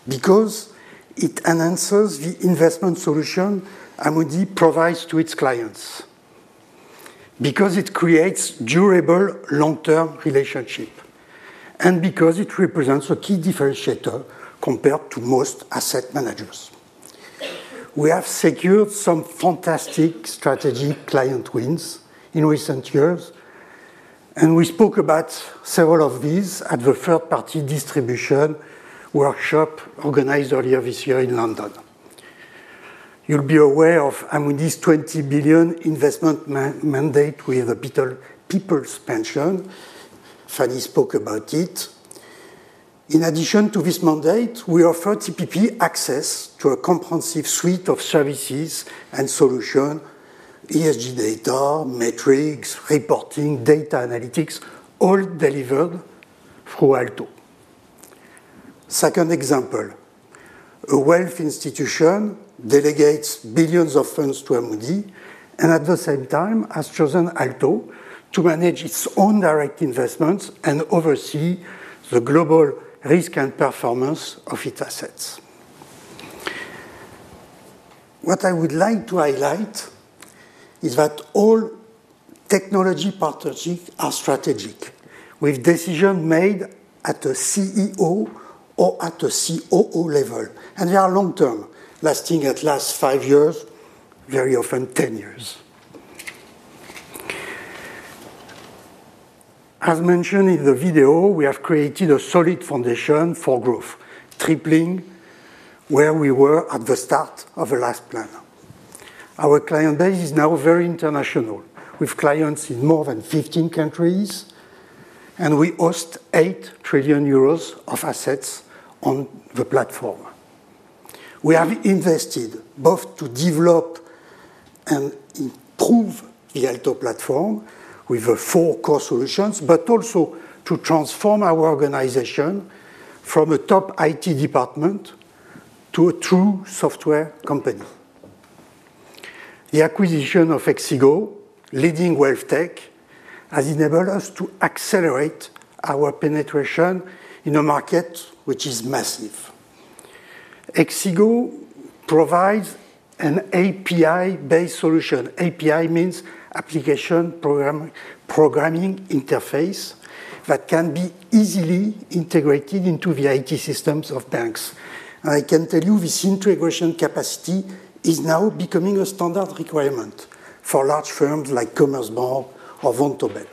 Because it enhances the investment solution Amundi provides to its clients, because it creates durable long-term relationships, and because it represents a key differentiator compared to most asset managers. We have secured some fantastic strategic client wins in recent years, and we spoke about several of these at the third-party distribution workshop organized earlier this year in London. You'll be aware of Amundi's 20 billion investment mandate with a People's Pension. Fannie spoke about it. In addition to this mandate, we offer TPP access to a comprehensive suite of services and solutions: ESG data, metrics, reporting, data analytics, all delivered through ALTO. Second example, a wealth institution delegates billions of funds to Amundi and at the same time has chosen ALTO to manage its own direct investments and oversee the global risk and performance of its assets. What I would like to highlight is that all technology partnerships are strategic, with decisions made at the CEO or at the COO level, and they are long-term, lasting at least five years, very often ten years. As mentioned in the video, we have created a solid foundation for growth, tripling where we were at the start of the last plan. Our client base is now very international, with clients in more than 15 countries, and we host 8 trillion euros of assets on the platform. We have invested both to develop and improve the ALTO platform with the four core solutions, but also to transform our organization from a top IT department to a true software company. The acquisition of Axigo, leading wealth tech, has enabled us to accelerate our penetration in a market which is massive. Axigo provides an API-based solution. API means Application Programming Interface that can be easily integrated into the IT systems of banks. I can tell you this integration capacity is now becoming a standard requirement for large firms like Commerzbank or Vontobel.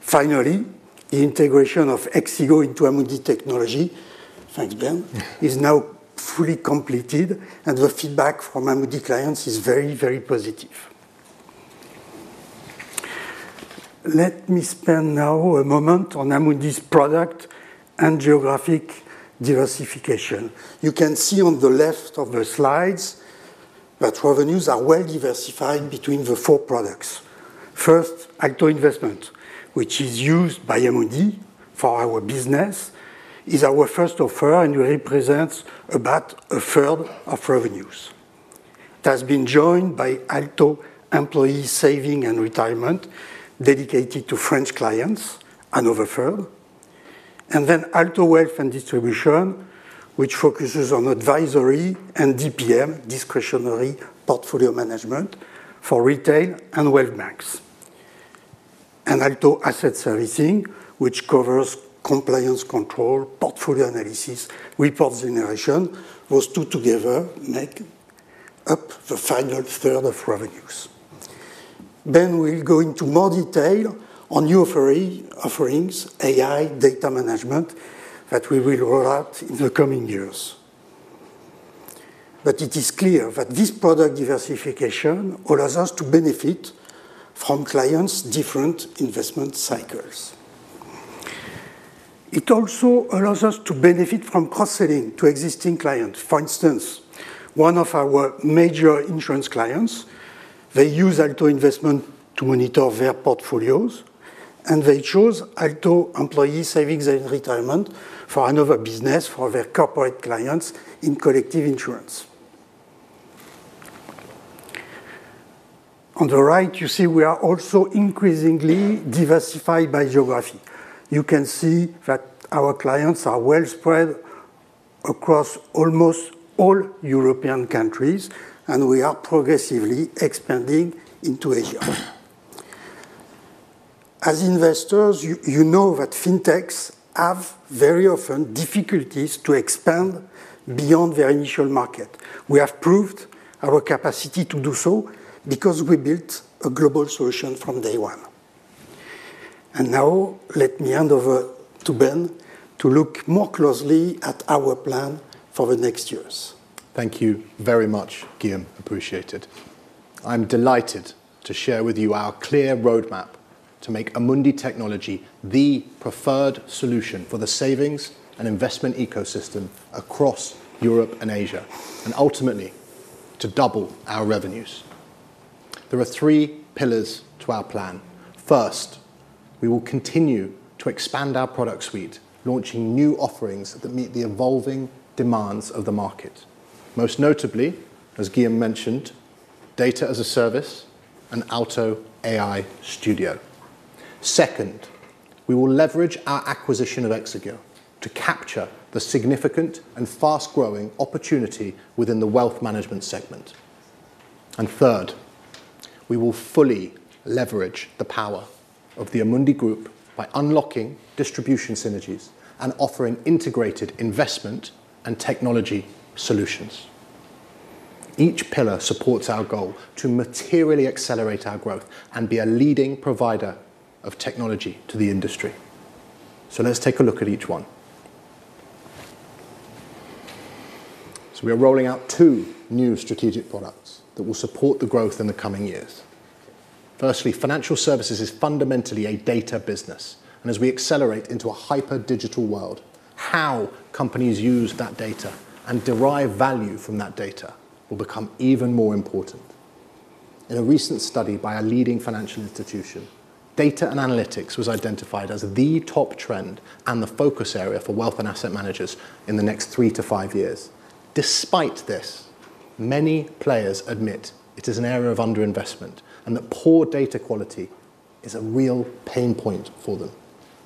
Finally, the integration of Axigo into Amundi Technology, thanks, Ben, is now fully completed, and the feedback from Amundi clients is very, very positive. Let me spend now a moment on Amundi's product and geographic diversification. You can see on the left of the slides that revenues are well diversified between the four products. First, ALTO Investment, which is used by Amundi for our business, is our first offer and represents about a third of revenues. It has been joined by ALTO Employee Savings and Retirement, dedicated to French clients, another third. ALTO Wealth and Distribution, which focuses on advisory and DPM, discretionary portfolio management for retail and wealth banks, and ALTO Asset Servicing, which covers compliance control, portfolio analysis, reports generation, those two together make up the final third of revenues. Ben will go into more detail on new offerings, AI, data management that we will roll out in the coming years. It is clear that this product diversification allows us to benefit from clients' different investment cycles. It also allows us to benefit from cross-selling to existing clients. For instance, one of our major insurance clients, they use ALTO Investment to monitor their portfolios, and they chose ALTO Employee Savings and Retirement for another business for their corporate clients in collective insurance. On the right, you see we are also increasingly diversified by geography. You can see that our clients are well spread across almost all European countries, and we are progressively expanding into Asia. As investors, you know that fintechs have very often difficulties to expand beyond their initial market. We have proved our capacity to do so because we built a global solution from day one. Now let me hand over to Ben to look more closely at our plan for the next years. Thank you very much, Guillaume, appreciated. I'm delighted to share with you our clear roadmap to make Amundi Technology the preferred solution for the savings and investment ecosystem across Europe and Asia, and ultimately to double our revenues. There are three pillars to our plan. First, we will continue to expand our product suite, launching new offerings that meet the evolving demands of the market, most notably, as Guillaume mentioned, Data as a Service and ALTO AI Studio. Second, we will leverage our acquisition of Axigo to capture the significant and fast-growing opportunity within the wealth management segment. Third, we will fully leverage the power of the Amundi Group by unlocking distribution synergies and offering integrated investment and technology solutions. Each pillar supports our goal to materially accelerate our growth and be a leading provider of technology to the industry. Let's take a look at each one. We are rolling out two new strategic products that will support the growth in the coming years. Firstly, financial services is fundamentally a data business, and as we accelerate into a hyper-digital world, how companies use that data and derive value from that data will become even more important. In a recent study by a leading financial institution, data and analytics was identified as the top trend and the focus area for wealth and asset managers in the next three to five years. Despite this, many players admit it is an area of underinvestment and that poor data quality is a real pain point for them.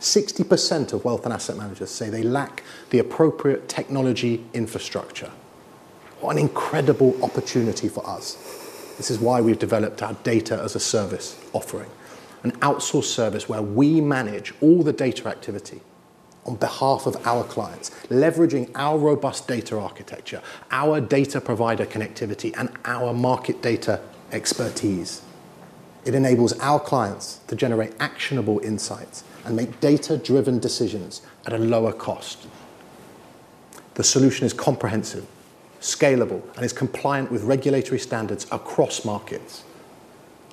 60% of wealth and asset managers say they lack the appropriate technology infrastructure. What an incredible opportunity for us. This is why we've developed our Data as a Service offering, an outsourced service where we manage all the data activity on behalf of our clients, leveraging our robust data architecture, our data provider connectivity, and our market data expertise. It enables our clients to generate actionable insights and make data-driven decisions at a lower cost. The solution is comprehensive, scalable, and is compliant with regulatory standards across markets.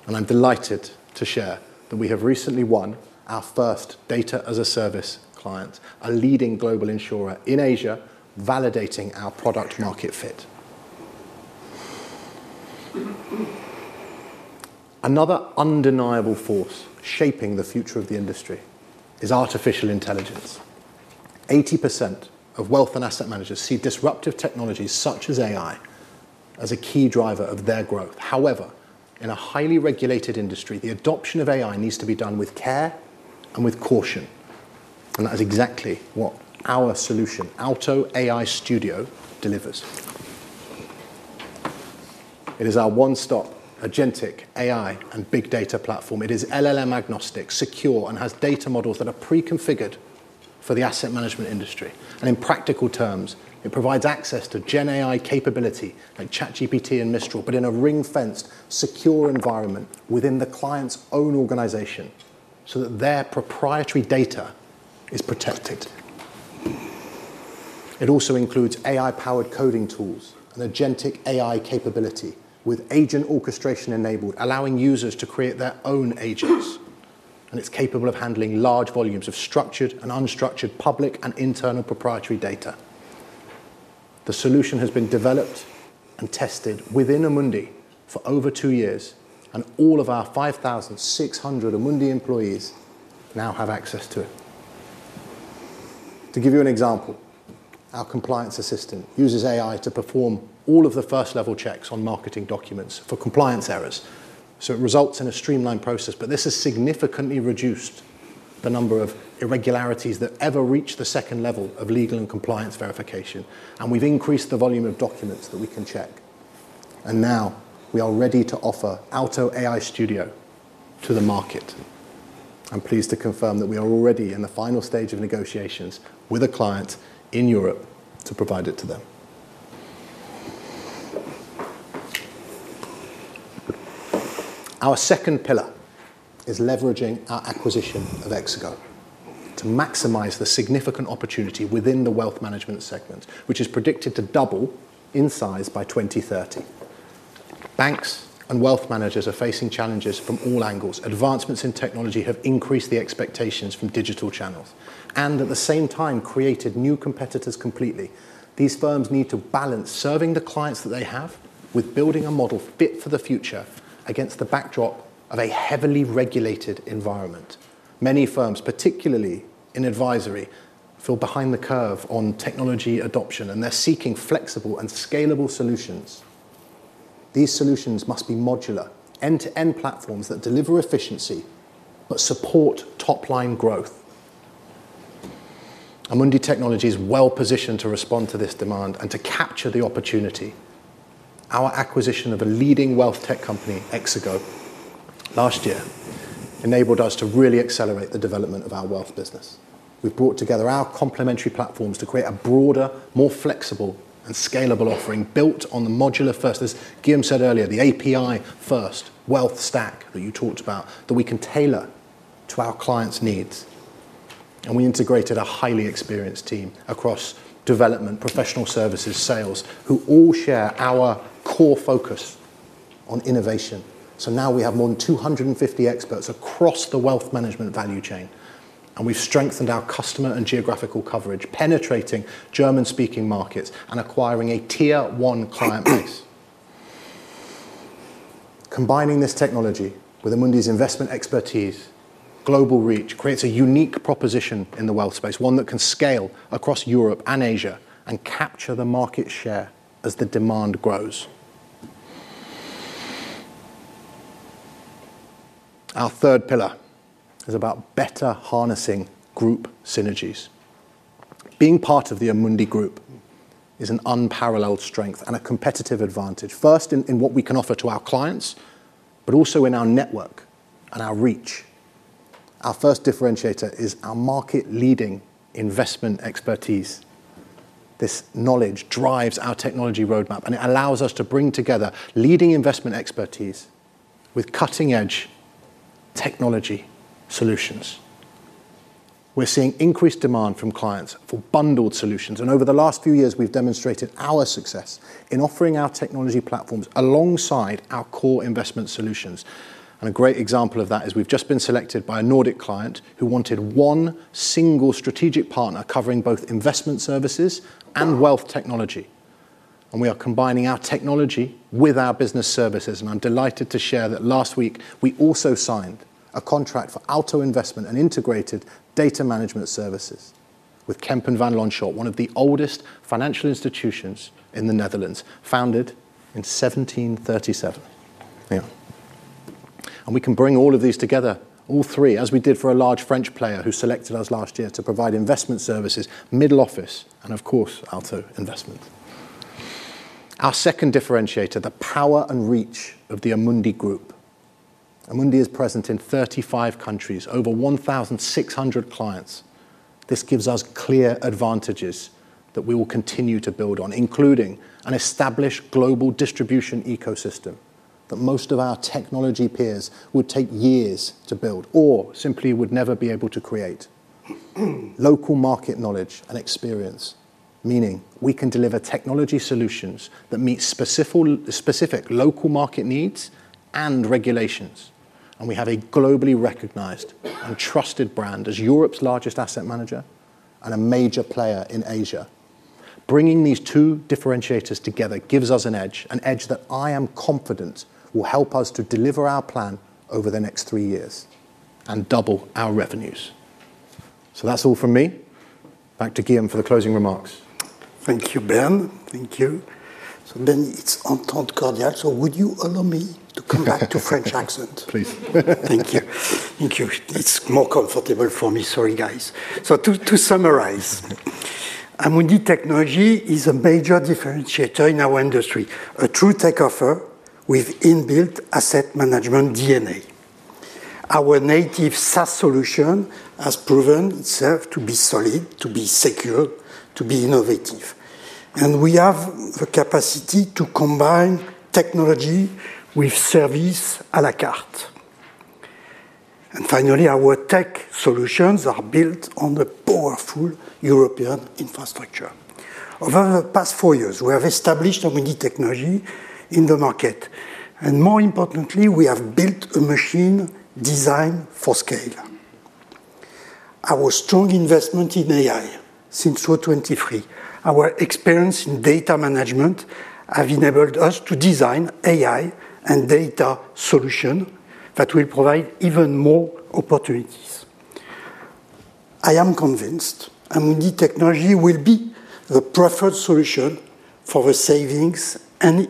I am delighted to share that we have recently won our first Data as a Service client, a leading global insurer in Asia validating our product market fit. Another undeniable force shaping the future of the industry is artificial intelligence. 80% of wealth and asset managers see disruptive technologies such as AI as a key driver of their growth. However, in a highly regulated industry, the adoption of AI needs to be done with care and with caution. That is exactly what our solution, ALTO AI Studio, delivers. It is our one-stop agentic AI and big data platform. It is LLM agnostic, secure, and has data models that are pre-configured for the asset management industry. In practical terms, it provides access to Gen AI capability like ChatGPT and Mistral, but in a ring-fenced, secure environment within the client's own organization so that their proprietary data is protected. It also includes AI-powered coding tools and agentic AI capability with agent orchestration enabled, allowing users to create their own agents. It is capable of handling large volumes of structured and unstructured public and internal proprietary data. The solution has been developed and tested within Amundi for over two years, and all of our 5,600 Amundi employees now have access to it. To give you an example, our compliance assistant uses AI to perform all of the first-level checks on marketing documents for compliance errors, so it results in a streamlined process. This has significantly reduced the number of irregularities that ever reach the second level of legal and compliance verification, and we've increased the volume of documents that we can check. Now we are ready to offer ALTO AI Studio to the market. I'm pleased to confirm that we are already in the final stage of negotiations with a client in Europe to provide it to them. Our second pillar is leveraging our acquisition of Axigo to maximize the significant opportunity within the wealth management segment, which is predicted to double in size by 2030. Banks and wealth managers are facing challenges from all angles. Advancements in technology have increased the expectations from digital channels and, at the same time, created new competitors completely. These firms need to balance serving the clients that they have with building a model fit for the future against the backdrop of a heavily regulated environment. Many firms, particularly in advisory, feel behind the curve on technology adoption, and they're seeking flexible and scalable solutions. These solutions must be modular, end-to-end platforms that deliver efficiency but support top-line growth. Amundi Technology is well positioned to respond to this demand and to capture the opportunity. Our acquisition of a leading wealth tech company, Axigo, last year enabled us to really accelerate the development of our wealth business. We've brought together our complementary platforms to create a broader, more flexible, and scalable offering built on the modular first. As Guillaume said earlier, the API-first wealth stack that you talked about, that we can tailor to our clients' needs. We integrated a highly experienced team across development, professional services, sales, who all share our core focus on innovation. Now we have more than 250 experts across the wealth management value chain, and we have strengthened our customer and geographical coverage, penetrating German-speaking markets and acquiring a tier-one client base. Combining this technology with Amundi's investment expertise, global reach creates a unique proposition in the wealth space, one that can scale across Europe and Asia and capture the market share as the demand grows. Our third pillar is about better harnessing group synergies. Being part of the Amundi Group is an unparalleled strength and a competitive advantage, first in what we can offer to our clients, but also in our network and our reach. Our first differentiator is our market-leading investment expertise. This knowledge drives our technology roadmap, and it allows us to bring together leading investment expertise with cutting-edge technology solutions. We're seeing increased demand from clients for bundled solutions, and over the last few years, we've demonstrated our success in offering our technology platforms alongside our core investment solutions. A great example of that is we've just been selected by a Nordic client who wanted one single strategic partner covering both investment services and wealth technology. We are combining our technology with our business services, and I'm delighted to share that last week we also signed a contract for ALTO Investment and Integrated Data Management Services with Kempen Van Lanschot, one of the oldest financial institutions in the Netherlands, founded in 1737. We can bring all of these together, all three, as we did for a large French player who selected us last year to provide investment services, middle office, and of course, ALTO Investment. Our second differentiator, the power and reach of the Amundi Group. Amundi is present in 35 countries, over 1,600 clients. This gives us clear advantages that we will continue to build on, including an established global distribution ecosystem that most of our technology peers would take years to build or simply would never be able to create. Local market knowledge and experience, meaning we can deliver technology solutions that meet specific local market needs and regulations. We have a globally recognized and trusted brand as Europe's largest asset manager and a major player in Asia. Bringing these two differentiators together gives us an edge, an edge that I am confident will help us to deliver our plan over the next three years and double our revenues. That is all from me. Back to Guillaume for the closing remarks. Thank you, Ben. Thank you. Then it is Antoine Cardinal. Would you allow me to come back to French accent? Please. Thank you. Thank you. It is more comfortable for me. Sorry, guys. To summarize, Amundi Technology is a major differentiator in our industry, a true tech offer with inbuilt asset management DNA. Our native SaaS solution has proven itself to be solid, to be secure, to be innovative. We have the capacity to combine technology with service à la carte. Finally, our tech solutions are built on a powerful European infrastructure. Over the past four years, we have established Amundi Technology in the market. More importantly, we have built a machine designed for scale. Our strong investment in AI since 2023, our experience in data management, have enabled us to design AI and data solutions that will provide even more opportunities. I am convinced Amundi Technology will be the preferred solution for the savings and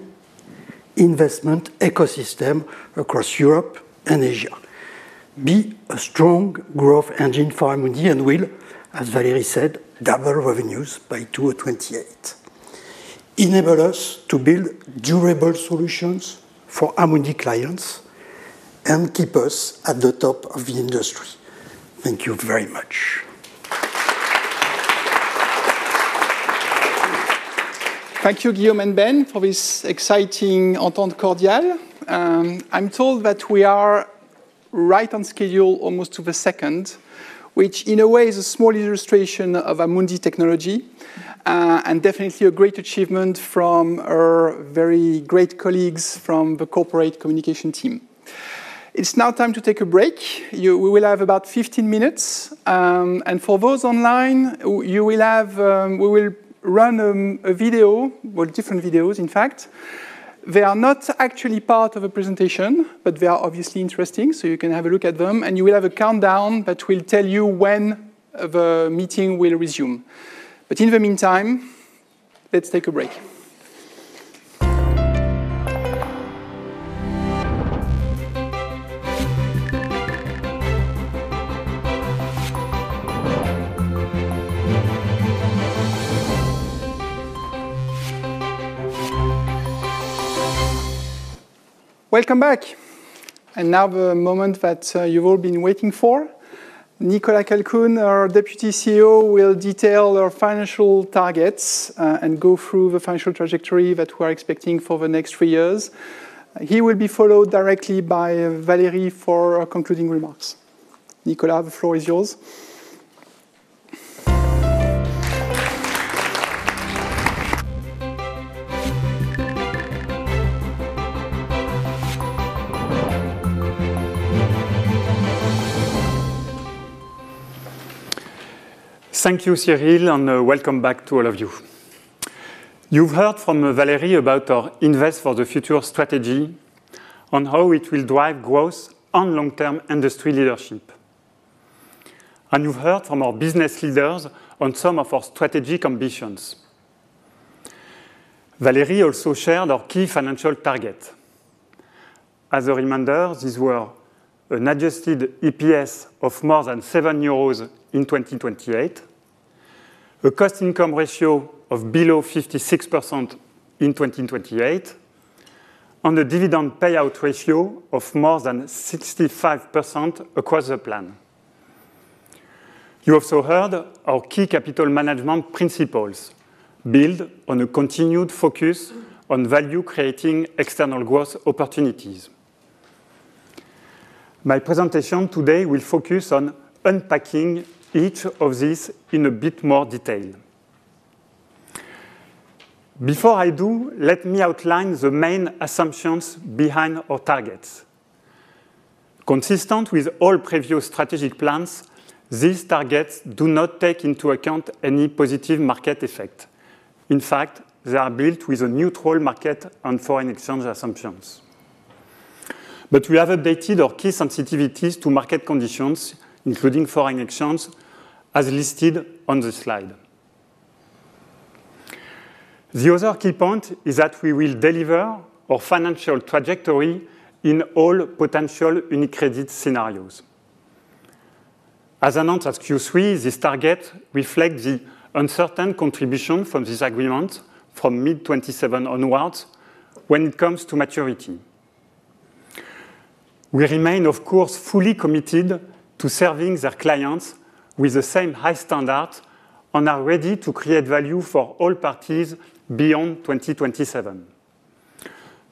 investment ecosystem across Europe and Asia. Be a strong growth engine for Amundi and will, as Valérie said, double revenues by 2028. Enable us to build durable solutions for Amundi clients and keep us at the top of the industry. Thank you very much. Thank you, Guillaume and Ben, for this exciting Entente Cordiale. I'm told that we are right on schedule almost to the second, which in a way is a small illustration of Amundi Technology and definitely a great achievement from our very great colleagues from the corporate communication team. It's now time to take a break. We will have about 15 minutes. For those online, we will run a video, well, different videos, in fact. They are not actually part of a presentation, but they are obviously interesting, so you can have a look at them. You will have a countdown that will tell you when the meeting will resume. In the meantime, let's take a break. Welcome back. Now the moment that you've all been waiting for. Nicolas Calcoen, our Deputy CEO, will detail our financial targets and go through the financial trajectory that we are expecting for the next three years. He will be followed directly by Valérie for concluding remarks. Nicolas, the floor is yours. Thank you, Cyril, and welcome back to all of you. You've heard from Valérie about our Invest for the Future strategy on how it will drive growth and long-term industry leadership. You've heard from our business leaders on some of our strategic ambitions. Valérie also shared our key financial targets. As a reminder, these were an adjusted EPS of more than 7 euros in 2028, a cost-income ratio of below 56% in 2028, and a dividend payout ratio of more than 65% across the plan. You also heard our key capital management principles, built on a continued focus on value-creating external growth opportunities. My presentation today will focus on unpacking each of these in a bit more detail. Before I do, let me outline the main assumptions behind our targets. Consistent with all previous strategic plans, these targets do not take into account any positive market effect. In fact, they are built with a neutral market and foreign exchange assumptions. We have updated our key sensitivities to market conditions, including foreign exchange, as listed on the slide. The other key point is that we will deliver our financial trajectory in all potential UniCredit scenarios. As announced at Q3, these targets reflect the uncertain contribution from this agreement from mid-2027 onwards when it comes to maturity. We remain, of course, fully committed to serving our clients with the same high standards and are ready to create value for all parties beyond 2027.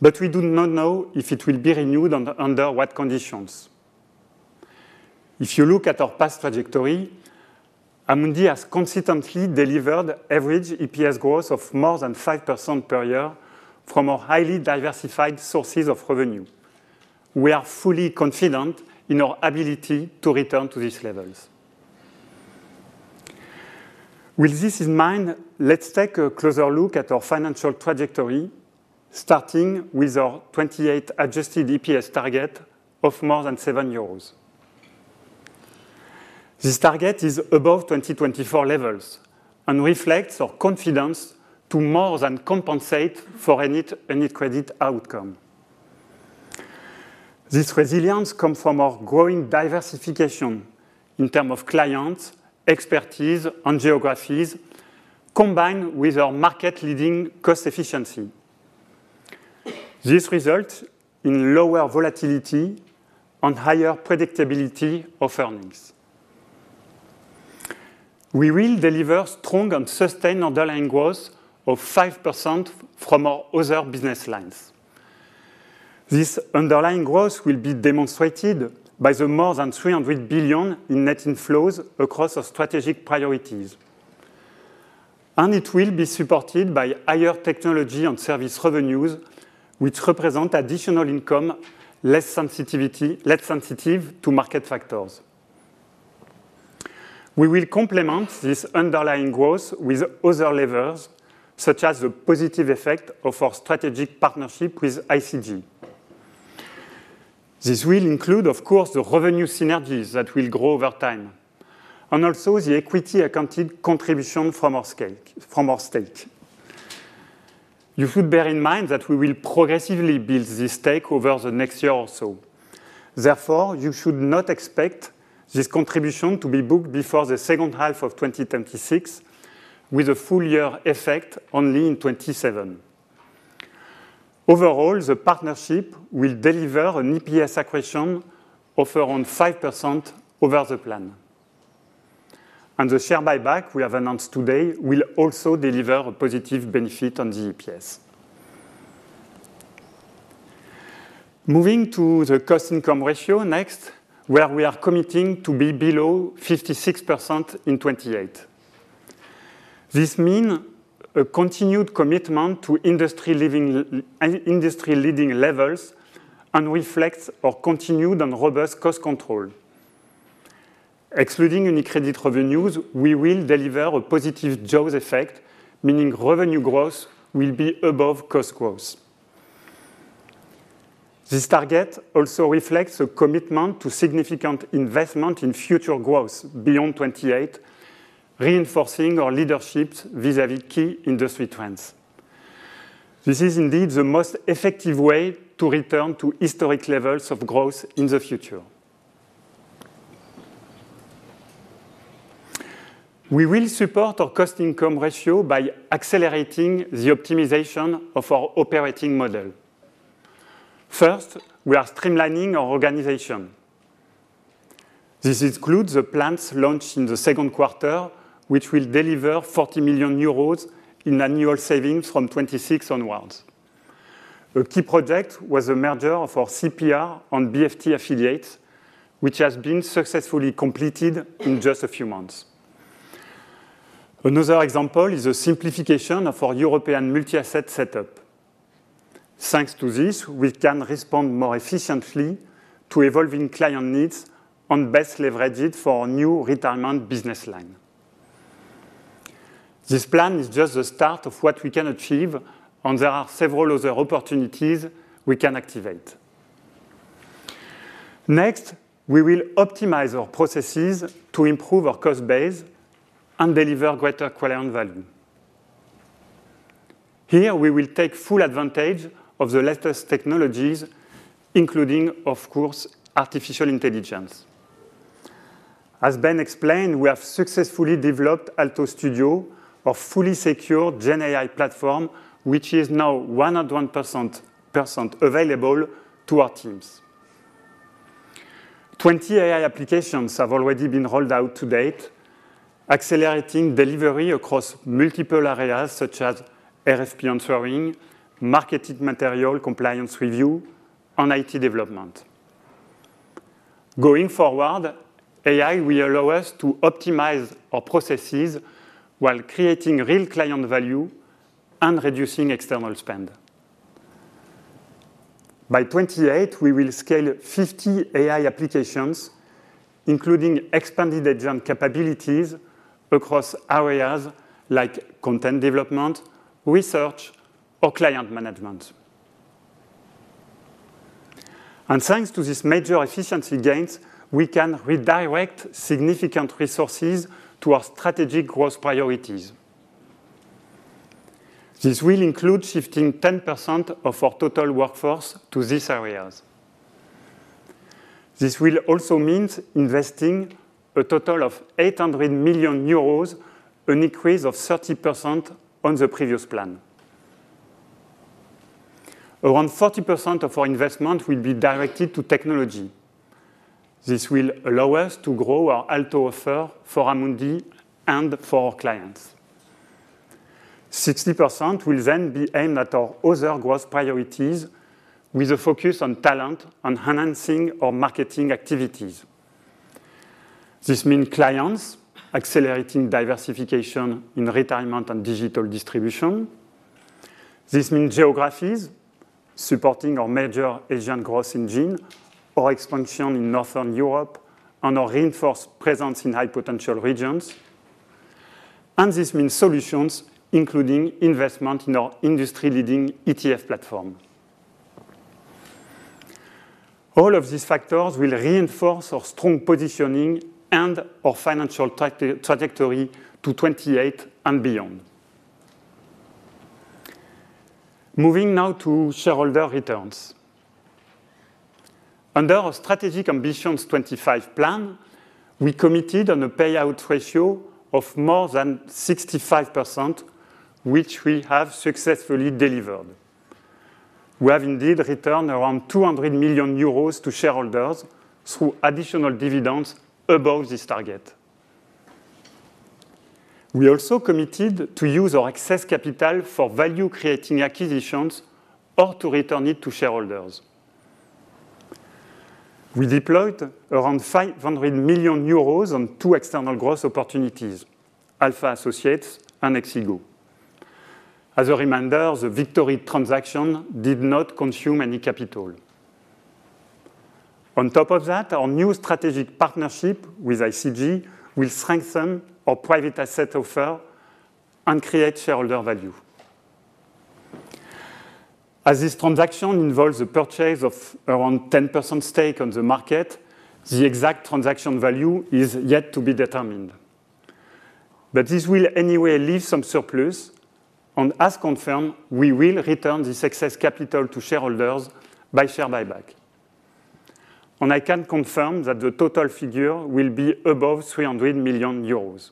We do not know if it will be renewed or under what conditions. If you look at our past trajectory, Amundi has consistently delivered average EPS growth of more than 5% per year from our highly diversified sources of revenue. We are fully confident in our ability to return to these levels. With this in mind, let's take a closer look at our financial trajectory, starting with our 2028 adjusted EPS target of more than 7 euros. This target is above 2024 levels and reflects our confidence to more than compensate for any unit credit outcome. This resilience comes from our growing diversification in terms of clients, expertise, and geographies, combined with our market-leading cost efficiency. This results in lower volatility and higher predictability of earnings. We will deliver strong and sustained underlying growth of 5% from our other business lines. This underlying growth will be demonstrated by the more than 300 billion in net inflows across our strategic priorities. It will be supported by higher technology and service revenues, which represent additional income, less sensitive to market factors. We will complement this underlying growth with other levers, such as the positive effect of our strategic partnership with ICG. This will include, of course, the revenue synergies that will grow over time, and also the equity-accounted contribution from our stake. You should bear in mind that we will progressively build this stake over the next year or so. Therefore, you should not expect this contribution to be booked before the second half of 2026, with a full year effect only in 2027. Overall, the partnership will deliver an EPS accretion of around 5% over the plan. The share buyback we have announced today will also deliver a positive benefit on the EPS. Moving to the cost-income ratio next, we are committing to be below 56% in 2028. This means a continued commitment to industry-leading levels and reflects our continued and robust cost control. Excluding UniCredit revenues, we will deliver a positive Jaws effect, meaning revenue growth will be above cost growth. This target also reflects a commitment to significant investment in future growth beyond 2028, reinforcing our leadership vis-à-vis key industry trends. This is indeed the most effective way to return to historic levels of growth in the future. We will support our cost-income ratio by accelerating the optimization of our operating model. First, we are streamlining our organization. This includes the plans launched in the second quarter, which will deliver 40 million euros in annual savings from 2026 onwards. A key project was the merger of our CPR and BFT affiliates, which has been successfully completed in just a few months. Another example is the simplification of our European multi-asset setup. Thanks to this, we can respond more efficiently to evolving client needs and best leverage it for our new retirement business line. This plan is just the start of what we can achieve, and there are several other opportunities we can activate. Next, we will optimize our processes to improve our cost base and deliver greater client value. Here, we will take full advantage of the latest technologies, including, of course, artificial intelligence. As Ben explained, we have successfully developed ALTO Studio, our fully secure GenAI platform, which is now 101% available to our teams. Twenty AI applications have already been rolled out to date, accelerating delivery across multiple areas such as RFP answering, marketing material compliance review, and IT development. Going forward, AI will allow us to optimize our processes while creating real client value and reducing external spend. By 2028, we will scale 50 AI applications, including expanded agent capabilities across areas like content development, research, or client management. Thanks to these major efficiency gains, we can redirect significant resources to our strategic growth priorities. This will include shifting 10% of our total workforce to these areas. This will also mean investing a total of 800 million euros, an increase of 30% on the previous plan. Around 40% of our investment will be directed to technology. This will allow us to grow our ALTO offer for Amundi and for our clients. 60% will then be aimed at our other growth priorities, with a focus on talent and enhancing our marketing activities. This means clients accelerating diversification in retirement and digital distribution. This means geographies supporting our major Asian growth engine, our expansion in Northern Europe, and our reinforced presence in high-potential regions. This means solutions, including investment in our industry-leading ETF platform. All of these factors will reinforce our strong positioning and our financial trajectory to 2028 and beyond. Moving now to shareholder returns. Under our Strategic Ambitions 2025 plan, we committed on a payout ratio of more than 65%, which we have successfully delivered. We have indeed returned around 200 million euros to shareholders through additional dividends above this target. We also committed to use our excess capital for value-creating acquisitions or to return it to shareholders. We deployed around 500 million euros on two external growth opportunities, Alpha Associates and Axigo. As a reminder, the Victory Capital transaction did not consume any capital. On top of that, our new strategic partnership with ICG will strengthen our private asset offer and create shareholder value. As this transaction involves a purchase of around 10% stake on the market, the exact transaction value is yet to be determined. This will anyway leave some surplus, and as confirmed, we will return this excess capital to shareholders by share buyback. I can confirm that the total figure will be above 300 million euros.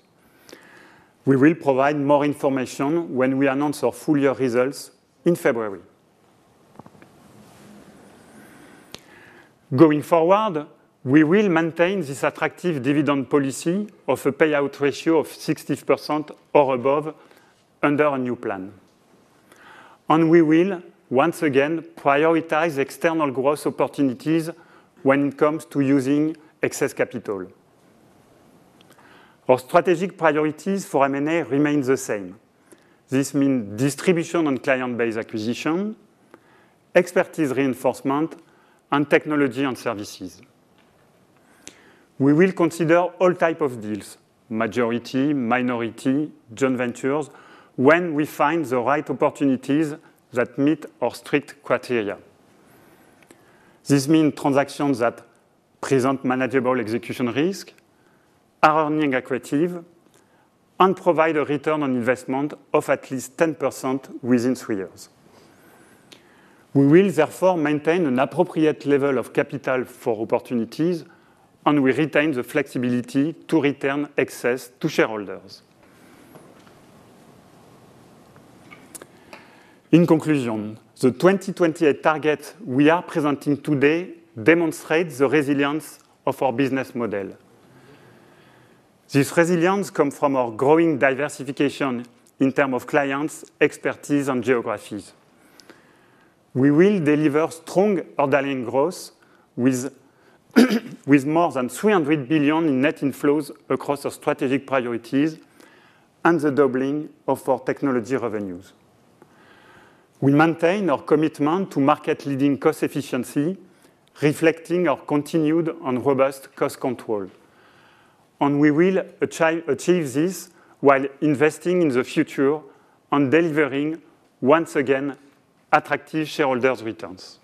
We will provide more information when we announce our full year results in February. Going forward, we will maintain this attractive dividend policy of a payout ratio of 60% or above under a new plan. We will, once again, prioritize external growth opportunities when it comes to using excess capital. Our strategic priorities for M&A remain the same. This means distribution and client-based acquisition, expertise reinforcement, and technology and services. We will consider all types of deals, majority, minority, joint ventures, when we find the right opportunities that meet our strict criteria. This means transactions that present manageable execution risk, are earning equitative, and provide a return on investment of at least 10% within three years. We will, therefore, maintain an appropriate level of capital for opportunities, and we retain the flexibility to return excess to shareholders. In conclusion, the 2028 target we are presenting today demonstrates the resilience of our business model. This resilience comes from our growing diversification in terms of clients, expertise, and geographies. We will deliver strong underlying growth with more than 300 million in net inflows across our strategic priorities and the doubling of our technology revenues. We maintain our commitment to market-leading cost efficiency, reflecting our continued and robust cost control. We will achieve this while investing in the future and delivering, once again, attractive shareholders' returns.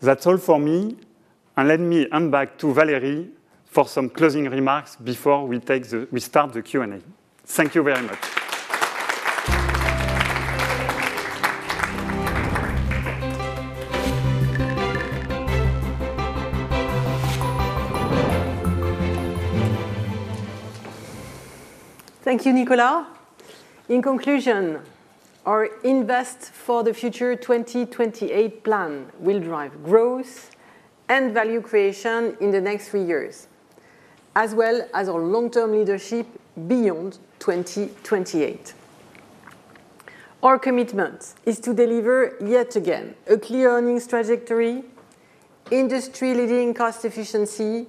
That's all for me. Let me hand back to Valérie for some closing remarks before we start the Q&A. Thank you very much. Thank you, Nicolas. In conclusion, our Invest for the Future 2028 plan will drive growth and value creation in the next three years, as well as our long-term leadership beyond 2028. Our commitment is to deliver, yet again, a clear earnings trajectory, industry-leading cost efficiency,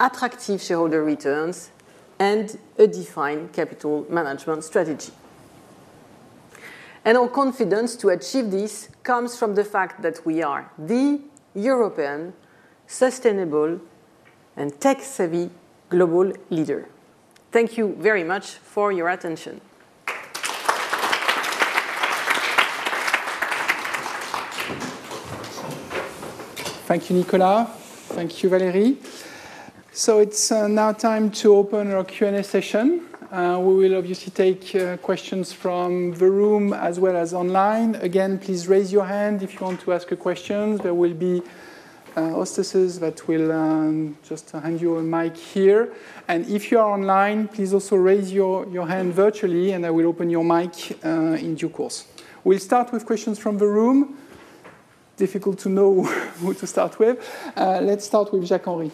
attractive shareholder returns, and a defined capital management strategy. Our confidence to achieve this comes from the fact that we are the European, sustainable, and tech-savvy global leader. Thank you very much for your attention. Thank you, Nicolas. Thank you, Valérie. It is now time to open our Q&A session. We will obviously take questions from the room as well as online. Again, please raise your hand if you want to ask a question. There will be hostesses that will just hand you a mic here. If you are online, please also raise your hand virtually, and I will open your mic in due course. We'll start with questions from the room. Difficult to know who to start with. Let's start with Jacques Henry.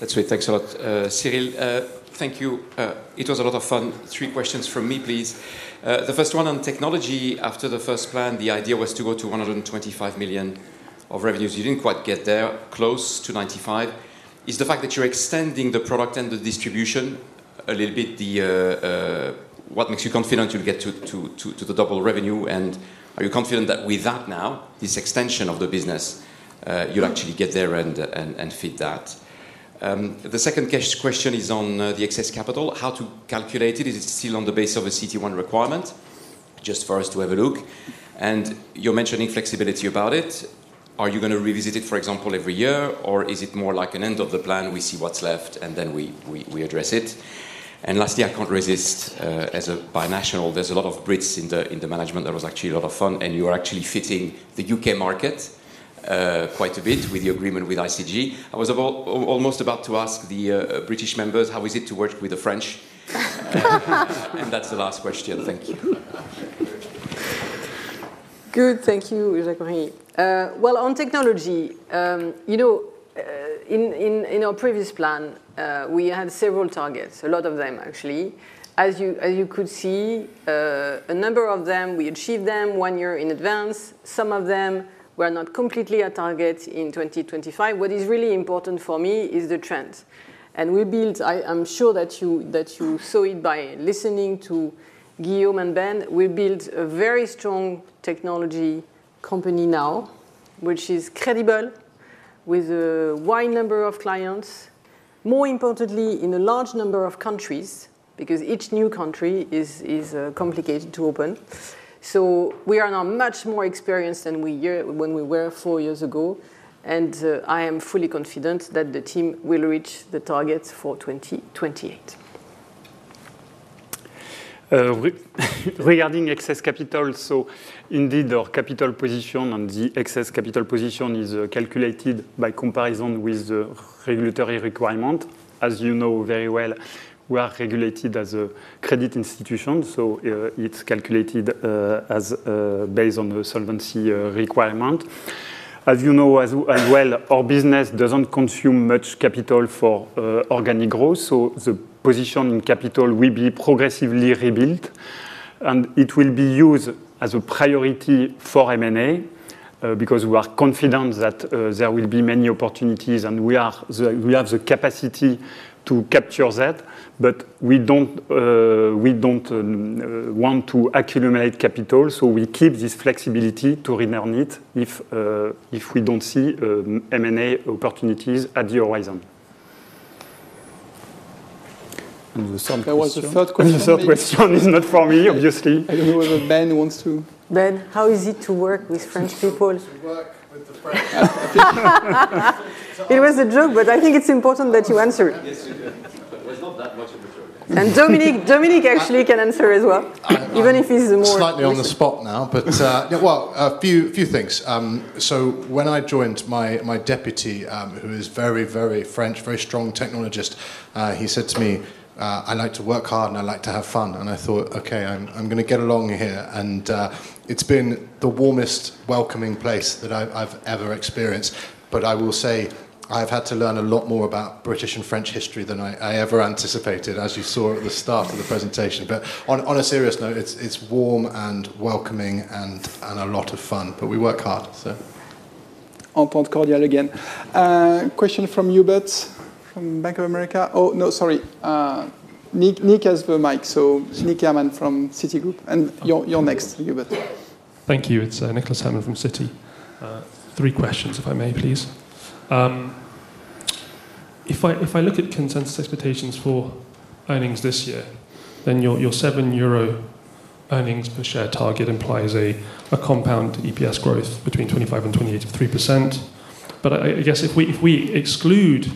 That's right. Thanks a lot, Cyril. Thank you. It was a lot of fun. Three questions from me, please. The first one on technology. After the first plan, the idea was to go to 125 million of revenues. You did not quite get there, close to 95 million. Is the fact that you're extending the product and the distribution a little bit what makes you confident you'll get to the double revenue? Are you confident that with that now, this extension of the business, you'll actually get there and feed that? The second question is on the excess capital. How to calculate it? Is it still on the basis of a CT1 requirement? Just for us to have a look. You are mentioning flexibility about it. Are you going to revisit it, for example, every year? Is it more like an end of the plan? We see what's left, and then we address it. Lastly, I can't resist. As a binational, there's a lot of Brits in the management. That was actually a lot of fun. You are actually fitting the U.K. market quite a bit with the agreement with ICG. I was almost about to ask the British members, how is it to work with the French? That's the last question. Thank you. Good. Thank you, Jacques Henry. On technology, in our previous plan, we had several targets, a lot of them, actually. As you could see, a number of them, we achieved them one year in advance. Some of them were not completely at target in 2025. What is really important for me is the trend. We built, I am sure that you saw it by listening to Guillaume and Ben, we built a very strong technology company now, which is credible, with a wide number of clients, more importantly, in a large number of countries, because each new country is complicated to open. We are now much more experienced than we were four years ago. I am fully confident that the team will reach the targets for 2028. Regarding excess capital, indeed, our capital position and the excess capital position is calculated by comparison with the regulatory requirement. As you know very well, we are regulated as a credit institution. It is calculated based on the solvency requirement. As you know as well, our business doesn't consume much capital for organic growth. The position in capital will be progressively rebuilt. It will be used as a priority for M&A because we are confident that there will be many opportunities and we have the capacity to capture that. We don't want to accumulate capital. We keep this flexibility to re-earn it if we don't see M&A opportunities at the horizon. That was a third question. It's not for me, obviously. I don't know if Ben wants to. Ben, how is it to work with French people? It was a joke, but I think it's important that you answer it. Yes, we do. It was not that much of a joke. Dominic actually can answer as well, even if he's the more. He's slightly on the spot now. A few things. When I joined, my deputy, who is very, very French, very strong technologist, said to me, "I like to work hard and I like to have fun." I thought, "Okay, I'm going to get along here." It has been the warmest, welcoming place that I've ever experienced. I will say I have had to learn a lot more about British and French history than I ever anticipated, as you saw at the start of the presentation. On a serious note, it's warm and welcoming and a lot of fun. We work hard. Entente cordiale again. Question from Hubert from Bank of America. Oh, no, sorry. Nick has the mic. Nick Herman from Citigroup. You're next, Hubert. Thank you. It's Nicholas Hermann from Citi. Three questions, if I may, please. If I look at consensus expectations for earnings this year, then your 7 euro earnings per share target implies a compound EPS growth between 25% and 28% of 3%. I guess if we exclude,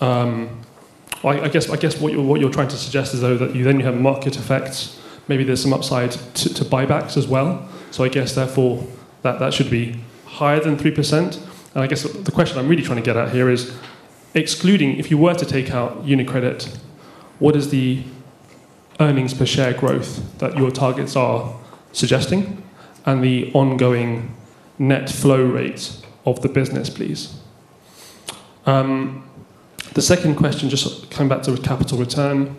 I guess what you're trying to suggest is, though, that you have market effects. Maybe there's some upside to buybacks as well. I guess, therefore, that should be higher than 3%. I guess the question I'm really trying to get at here is, excluding, if you were to take out UniCredit, what is the earnings per share growth that your targets are suggesting? And the ongoing net flow rate of the business, please. The second question, just coming back to capital return.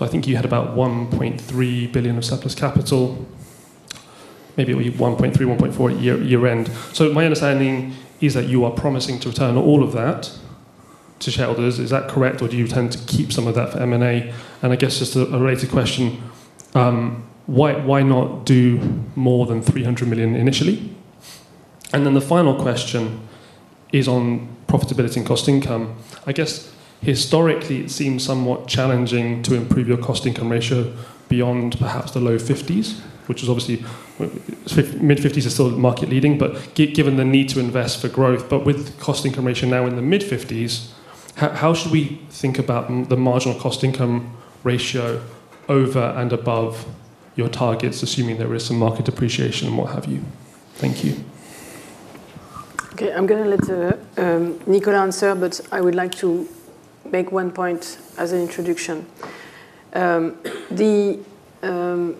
I think you had about 1.3 billion of surplus capital. Maybe it will be 1.3 billion-1.4 billion year-end. My understanding is that you are promising to return all of that to shareholders. Is that correct? Or do you intend to keep some of that for M&A? I guess just a related question, why not do more than 300 million initially? The final question is on profitability and cost income. I guess historically, it seems somewhat challenging to improve your cost income ratio beyond perhaps the low 50s, which is obviously mid-50s is still market-leading, given the need to invest for growth. With cost income ratio now in the mid-50s, how should we think about the marginal cost income ratio over and above your targets, assuming there is some market appreciation and what have you? Thank you. Okay. I'm going to let Nicolas answer, but I would like to make one point as an introduction. The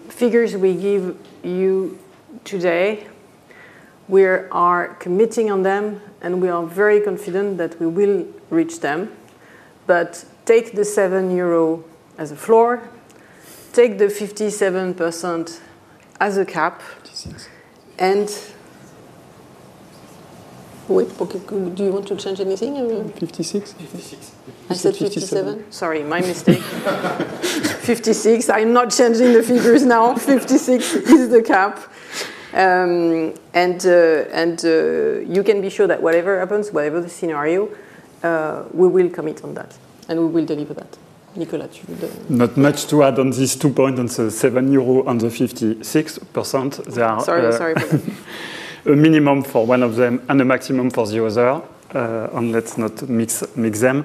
figures we give you today, we are committing on them, and we are very confident that we will reach them. Take the 7 euro as a floor, take the 57% as a cap. Do you want to change anything? Fifty-six? Fifty-six. I said 57. Sorry, my mistake. Fifty-six. I am not changing the figures now. Fifty-six is the cap. You can be sure that whatever happens, whatever the scenario, we will commit on that. We will deliver that. Nicolas, you will deliver. Not much to add on these two points. 7 euro under 56%, there are. Sorry, sorry. A minimum for one of them and a maximum for the other. Let's not mix them.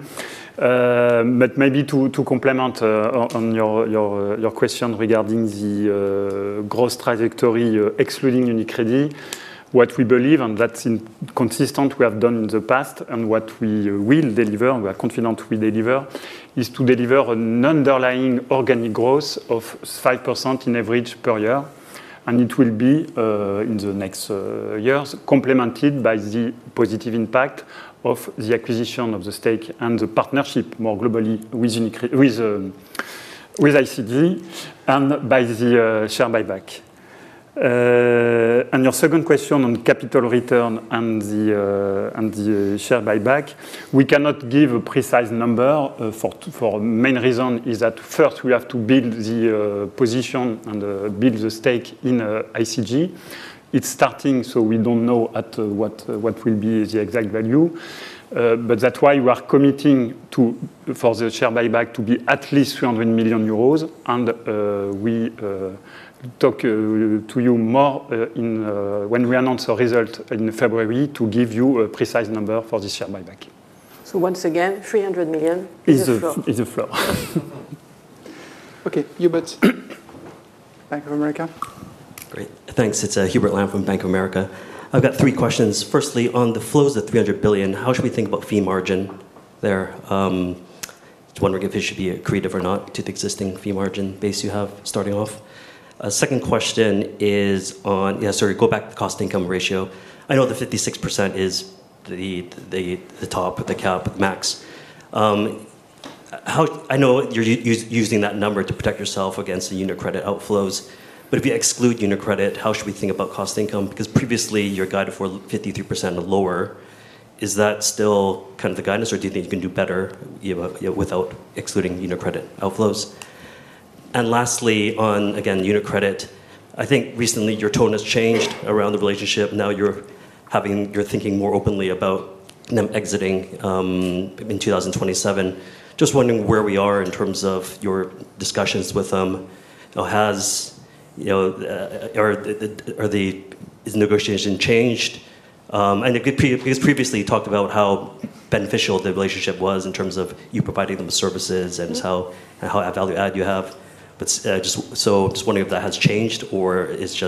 Maybe to complement on your question regarding the growth trajectory excluding UniCredit, what we believe, and that's consistent with what we have done in the past and what we will deliver, we are confident we deliver, is to deliver an underlying organic growth of 5% in average per year. It will be in the next years complemented by the positive impact of the acquisition of the stake and the partnership more globally with ICG and by the share buyback. Your second question on capital return and the share buyback, we cannot give a precise number for the main reason is that first, we have to build the position and build the stake in ICG. It's starting, so we don't know what will be the exact value. That's why we are committing for the share buyback to be at least 300 million euros. We talk to you more when we announce our result in February to give you a precise number for the share buyback. Once again, 300 million is the floor. It is the floor. Okay. Hubert, Bank of America. Great. Thanks. It is Hubert Lam from Bank of America. I have got three questions. Firstly, on the flows of 300 billion, how should we think about fee margin there? I just wonder if it should be accretive or not to the existing fee margin base you have starting off. Second question is on, yeah, sorry, go back to the cost income ratio. I know the 56% is the top, the cap, the max. I know you are using that number to protect yourself against the UniCredit outflows. If we exclude UniCredit, how should we think about cost income? Because previously, you were guided for 53% or lower. Is that still kind of the guidance, or do you think you can do better without excluding UniCredit outflows? Lastly, on, again, UniCredit, I think recently your tone has changed around the relationship. Now you are thinking more openly about them exiting in 2027. Just wondering where we are in terms of your discussions with them. Has the negotiation changed? Previously, you talked about how beneficial the relationship was in terms of you providing them with services and how value add you have. Just wondering if that has changed or if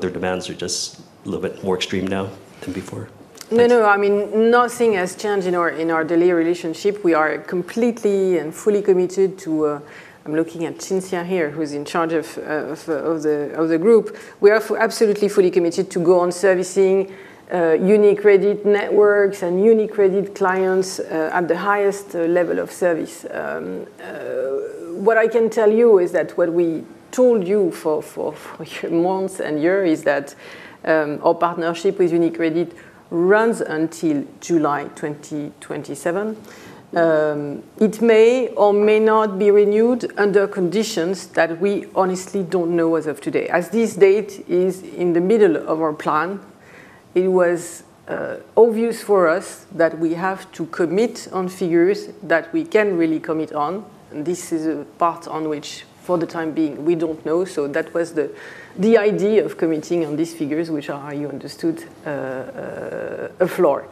their demands are just a little bit more extreme now than before. No, no. I mean, nothing has changed in our daily relationship. We are completely and fully committed to, I am looking at Cynthia here, who is in charge of the group. We are absolutely fully committed to go on servicing UniCredit networks and UniCredit clients at the highest level of service. What I can tell you is that what we told you for months and years is that our partnership with UniCredit runs until July 2027. It may or may not be renewed under conditions that we honestly do not know as of today. As this date is in the middle of our plan, it was obvious for us that we have to commit on figures that we can really commit on. This is a part on which, for the time being, we do not know. That was the idea of committing on these figures, which are, as you understood, a floor.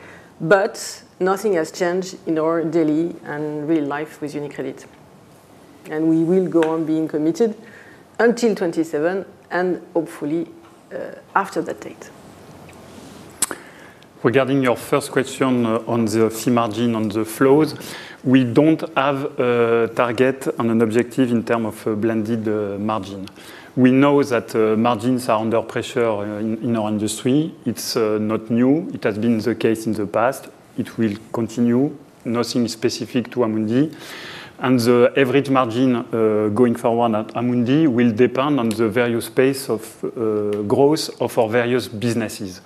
Nothing has changed in our daily and real life with UniCredit. We will go on being committed until 2027 and hopefully after that date. Regarding your first question on the fee margin on the flows, we do not have a target or an objective in terms of blended margin. We know that margins are under pressure in our industry. It is not new. It has been the case in the past. It will continue. Nothing specific to Amundi. The average margin going forward at Amundi will depend on the various pace of growth of our various businesses.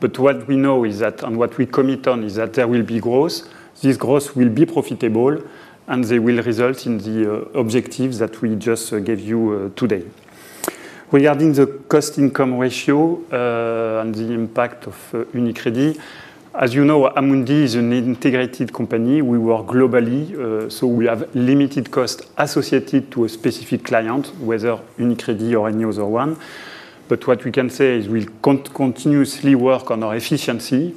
What we know is that, and what we commit on, is that there will be growth. This growth will be profitable, and it will result in the objectives that we just gave you today. Regarding the cost income ratio and the impact of UniCredit, as you know, Amundi is an integrated company. We work globally. We have limited costs associated to a specific client, whether UniCredit or any other one. What we can say is we'll continuously work on our efficiency.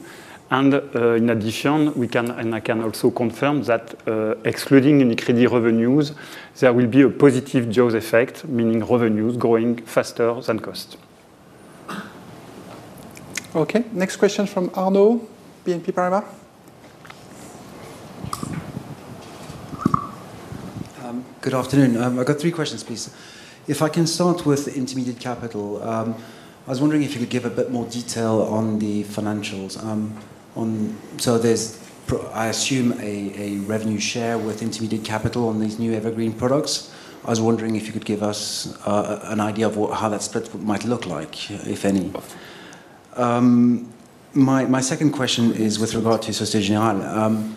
In addition, I can also confirm that excluding UniCredit revenues, there will be a positive jaws effect, meaning revenues growing faster than costs. Okay. Next question from Arno, BNP Paribas. Good afternoon. I've got three questions, please. If I can start with Intermediate Capital, I was wondering if you could give a bit more detail on the financials. There's, I assume, a revenue share with Intermediate Capital on these new Evergreen products. I was wondering if you could give us an idea of how that split might look like, if any. My second question is with regard to Société Générale.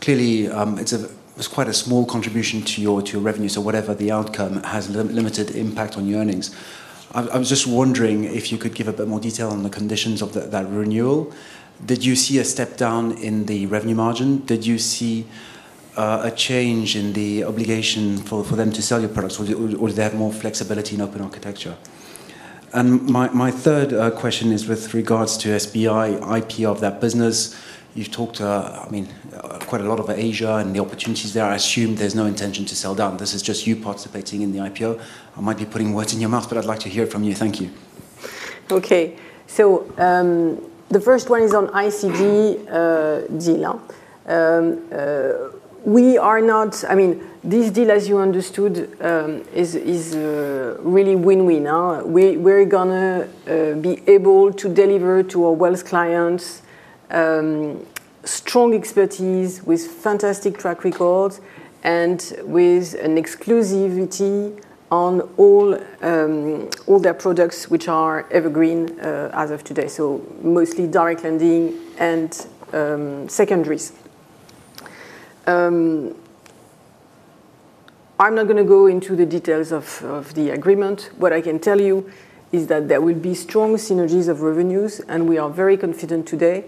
Clearly, it's quite a small contribution to your revenue. Whatever the outcome has limited impact on your earnings. I was just wondering if you could give a bit more detail on the conditions of that renewal. Did you see a step down in the revenue margin? Did you see a change in the obligation for them to sell your products? Did they have more flexibility in open architecture? My third question is with regards to SBI IPO of that business. You've talked to, I mean, quite a lot of Asia and the opportunities there. I assume there's no intention to sell down. This is just you participating in the IPO. I might be putting words in your mouth, but I'd like to hear it from you. Thank you. Okay. The first one is on ICG deal. We are not, I mean, this deal, as you understood, is really win-win. We're going to be able to deliver to our wealth clients strong expertise with fantastic track records and with an exclusivity on all their products, which are Evergreen as of today. Mostly direct lending and secondaries. I'm not going to go into the details of the agreement. What I can tell you is that there will be strong synergies of revenues. We are very confident today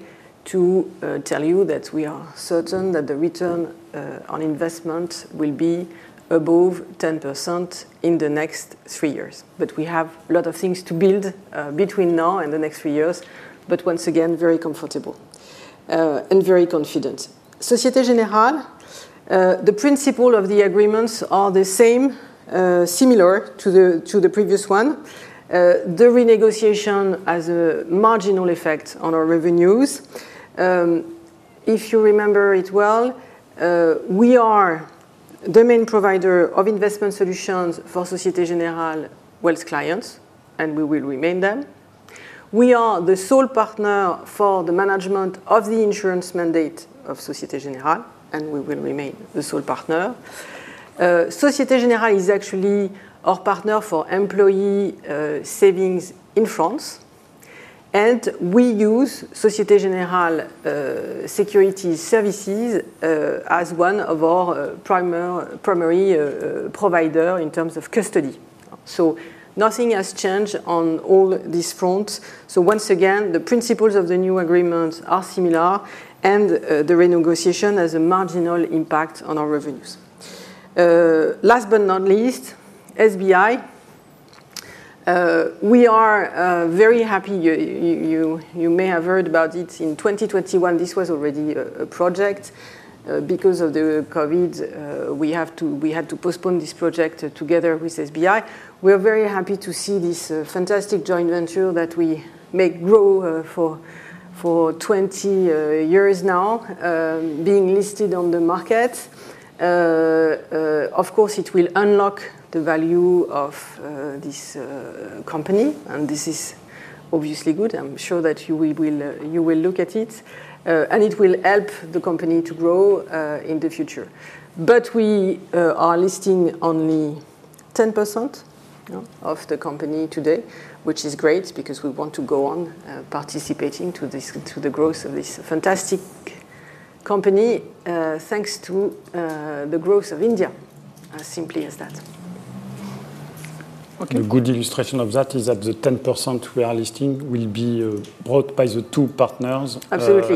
to tell you that we are certain that the return on investment will be above 10% in the next three years. We have a lot of things to build between now and the next three years. Once again, very comfortable and very confident. Société Générale, the principles of the agreements are the same, similar to the previous one. The renegotiation has a marginal effect on our revenues. If you remember it well, we are the main provider of investment solutions for Société Générale wealth clients, and we will remain them. We are the sole partner for the management of the insurance mandate of Société Générale, and we will remain the sole partner. Société Générale is actually our partner for employee savings in France. We use Société Générale Securities Services as one of our primary providers in terms of custody. Nothing has changed on all these fronts. Once again, the principles of the new agreements are similar, and the renegotiation has a marginal impact on our revenues. Last but not least, SBI, we are very happy. You may have heard about it. In 2021, this was already a project. Because of the COVID, we had to postpone this project together with SBI. We are very happy to see this fantastic joint venture that we may grow for 20 years now, being listed on the market. Of course, it will unlock the value of this company. This is obviously good. I'm sure that you will look at it. It will help the company to grow in the future. We are listing only 10% of the company today, which is great because we want to go on participating to the growth of this fantastic company thanks to the growth of India. As simple as that. A good illustration of that is that the 10% we are listing will be brought by the two partners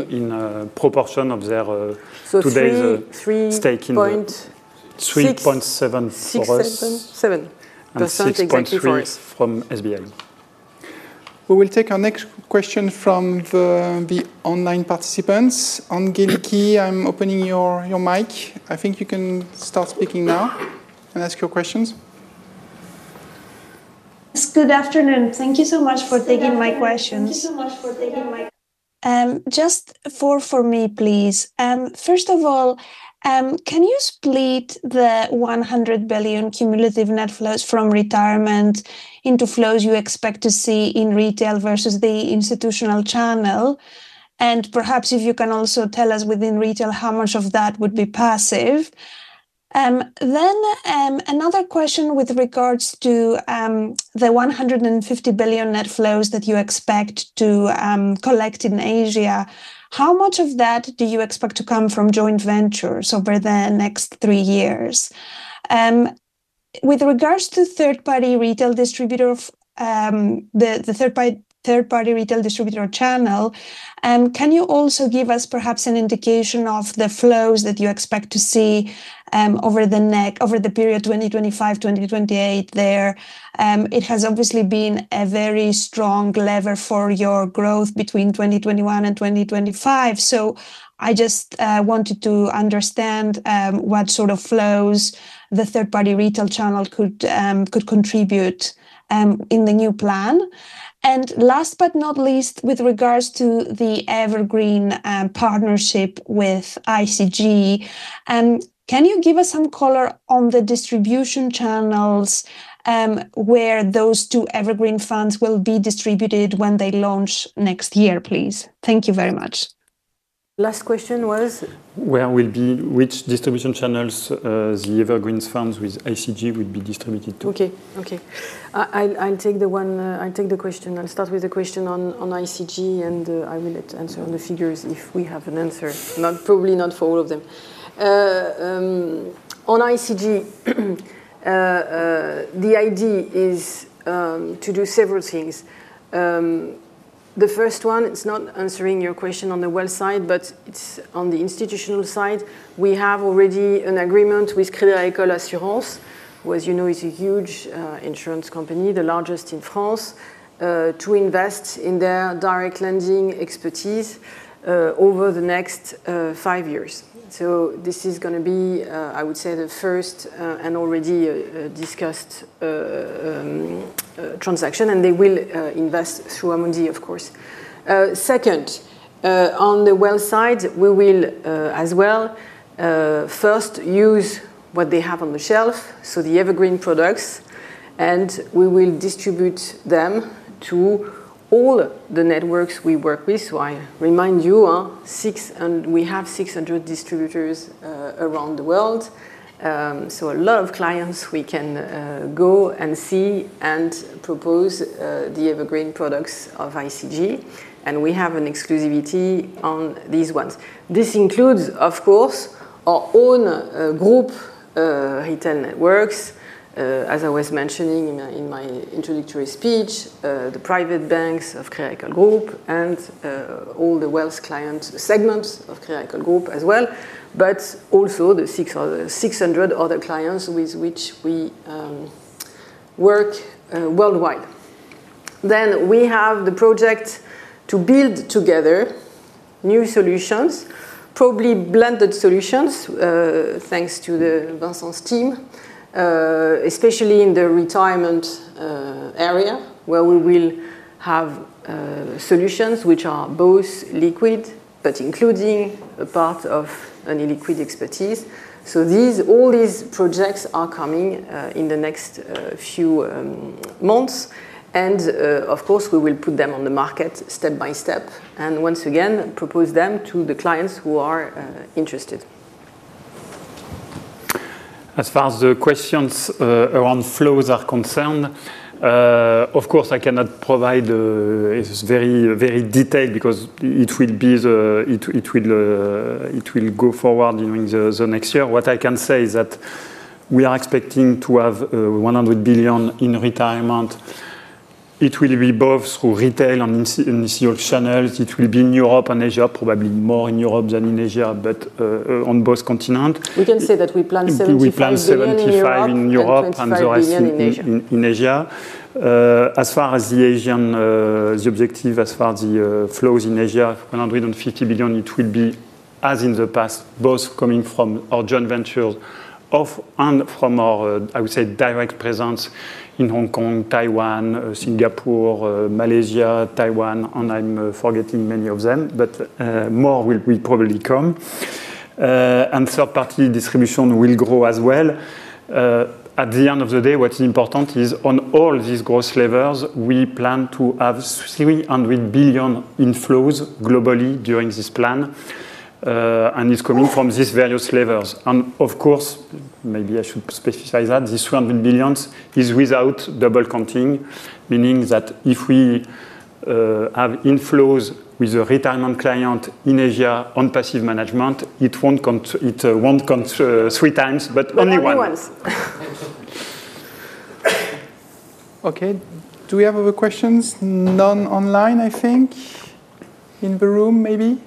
in proportion of their today's stake in the 3.7%. 67% exactly from SBI. We will take our next question from the online participants. Angelique, I'm opening your mic. I think you can start speaking now and ask your questions. Good afternoon. Thank you so much for taking my questions. Just four for me, please. First of all, can you split the 100 billion cumulative net flows from retirement into flows you expect to see in retail versus the institutional channel? Perhaps if you can also tell us within retail how much of that would be passive. Another question with regards to the 150 billion net flows that you expect to collect in Asia. How much of that do you expect to come from joint ventures over the next three years? With regards to third-party retail distributor, the third-party retail distributor channel, can you also give us perhaps an indication of the flows that you expect to see over the period 2025-2028 there? It has obviously been a very strong lever for your growth between 2021 and 2025. I just wanted to understand what sort of flows the third-party retail channel could contribute in the new plan. Last but not least, with regards to the Evergreen partnership with ICG, can you give us some color on the distribution channels where those two Evergreen funds will be distributed when they launch next year, please? Thank you very much. Last question was? Which distribution channels will the Evergreen funds with ICG be distributed to? Okay. I'll take the question. I'll start with the question on ICG, and I will answer the figures if we have an answer. Probably not for all of them. On ICG, the idea is to do several things. The first one, it's not answering your question on the wealth side, but it's on the institutional side. We have already an agreement with Crédit Agricole Assurance, who as you know is a huge insurance company, the largest in France, to invest in their direct lending expertise over the next five years. This is going to be, I would say, the first and already discussed transaction. They will invest through Amundi, of course. Second, on the wealth side, we will as well first use what they have on the shelf, the Evergreen products. We will distribute them to all the networks we work with. I remind you, we have 600 distributors around the world. A lot of clients we can go and see and propose the Evergreen products of ICG. We have an exclusivity on these ones. This includes, of course, our own group retail networks, as I was mentioning in my introductory speech, the private banks of Crédit Agricole Group and all the wealth client segments of Crédit Agricole Group as well, but also the 600 other clients with which we work worldwide. We have the project to build together new solutions, probably blended solutions thanks to Vincent's team, especially in the retirement area where we will have solutions which are both liquid but including a part of an illiquid expertise. All these projects are coming in the next few months. Of course, we will put them on the market step by step and once again propose them to the clients who are interested. As far as the questions around flows are concerned, of course, I cannot provide very detail because it will go forward during the next year. What I can say is that we are expecting to have 100 billion in retirement. It will be both through retail and institutional channels. It will be in Europe and Asia, probably more in Europe than in Asia, but on both continents. We can say that we plan 75 billion in retail and institutional channels in Asia. As far as the Asian objective, as far as the flows in Asia, 150 billion, it will be, as in the past, both coming from our joint ventures and from our, I would say, direct presence in Hong Kong, Taiwan, Singapore, Malaysia, Taiwan, and I am forgetting many of them, but more will probably come. Third-party distribution will grow as well. At the end of the day, what is important is on all these growth levers, we plan to have 300 billion in flows globally during this plan. It's coming from these various levers. Of course, maybe I should specify that these 300 billion is without double counting, meaning that if we have inflows with a retirement client in Asia on passive management, it will not count three times, but only one. Only once. Okay. Do we have other questions? None online, I think. In the room, maybe?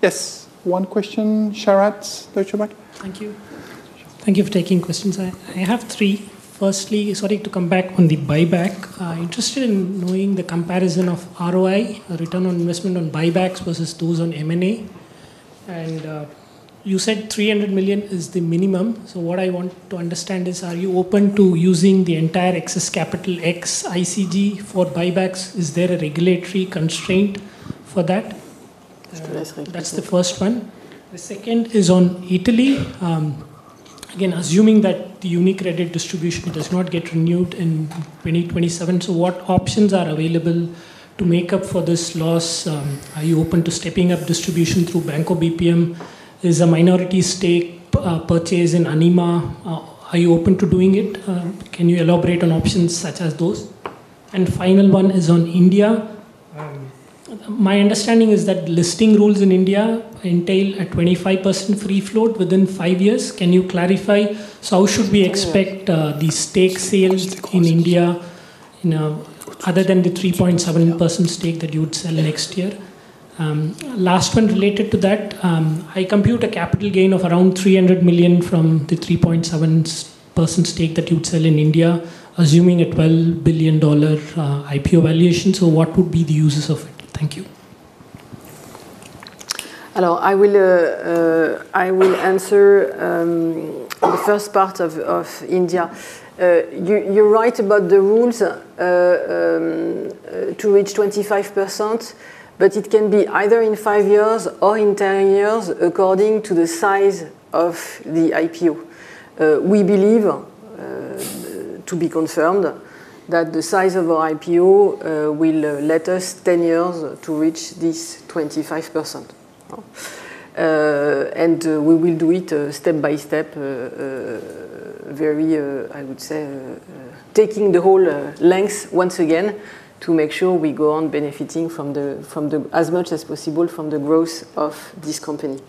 Yes. One question, Sharad, Deutsche Bank. Thank you. Thank you for taking questions. I have three. Firstly, sorry to come back on the buyback. I'm interested in knowing the comparison of ROI, return on investment, on buybacks versus those on M&A. You said 300 million is the minimum. What I want to understand is, are you open to using the entire excess capital ex ICG for buybacks? Is there a regulatory constraint for that? That's the first one. The second is on Italy. Again, assuming that the UniCredit distribution does not get renewed in 2027, what options are available to make up for this loss? Are you open to stepping up distribution through Banco BPM? Is a minority stake purchase in Anima? Are you open to doing it? Can you elaborate on options such as those? The final one is on India. My understanding is that listing rules in India entail a 25% free float within five years. Can you clarify? How should we expect the stake sales in India other than the 3.7% stake that you would sell next year? The last one related to that, I compute a capital gain of around 300 million from the 3.7% stake that you would sell in India, assuming a $12 billion IPO valuation. What would be the uses of it? Thank you. Hello. I will answer the first part of India. You're right about the rules to reach 25%, but it can be either in five years or in ten years according to the size of the IPO. We believe, to be confirmed, that the size of our IPO will let us ten years to reach this 25%. We will do it step by step, very, I would say, taking the whole length once again to make sure we go on benefiting as much as possible from the growth of this company.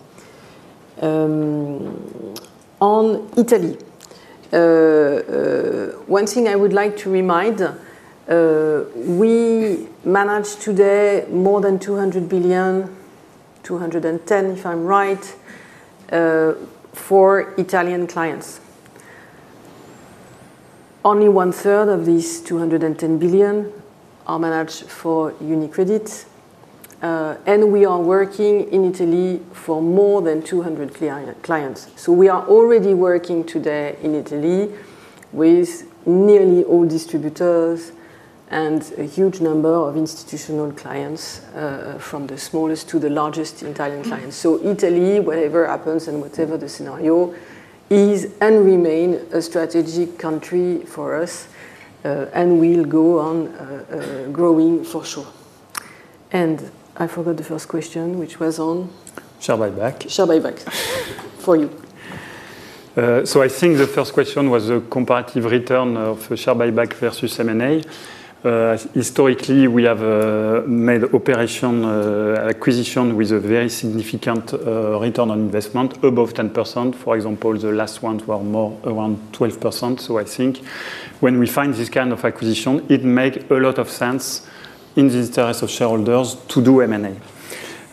On Italy, one thing I would like to remind, we manage today more than 200 billion, 210 billion if I'm right, for Italian clients. Only one-third of these 210 billion are managed for UniCredit. We are working in Italy for more than 200 clients. We are already working today in Italy with nearly all distributors and a huge number of institutional clients from the smallest to the largest Italian clients. Italy, whatever happens and whatever the scenario, is and remains a strategic country for us, and we'll go on growing for sure. I forgot the first question, which was on share buyback. Share buyback for you. I think the first question was the comparative return of share buyback versus M&A. Historically, we have made operation acquisition with a very significant return on investment above 10%. For example, the last ones were more around 12%. I think when we find this kind of acquisition, it makes a lot of sense in the interest of shareholders to do M&A.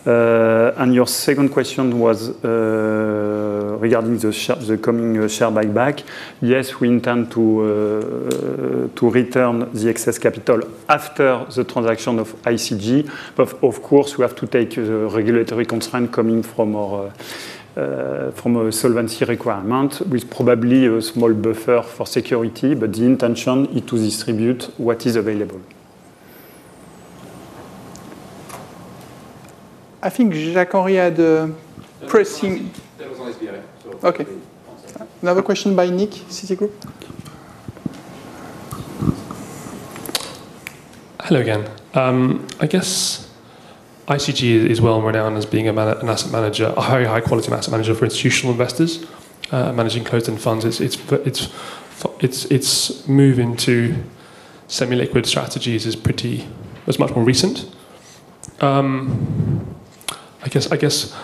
Your second question was regarding the coming share buyback. Yes, we intend to return the excess capital after the transaction of ICG. Of course, we have to take the regulatory constraint coming from our solvency requirement with probably a small buffer for security, but the intention is to distribute what is available. I think Jacques Henry had a pressing. Okay. Another question by Nick, Citi Group. Hello again. I guess ICG is well known as being an asset manager, a very high-quality asset manager for institutional investors, managing closed-end funds. Its move into semi-liquid strategies is much more recent. I guess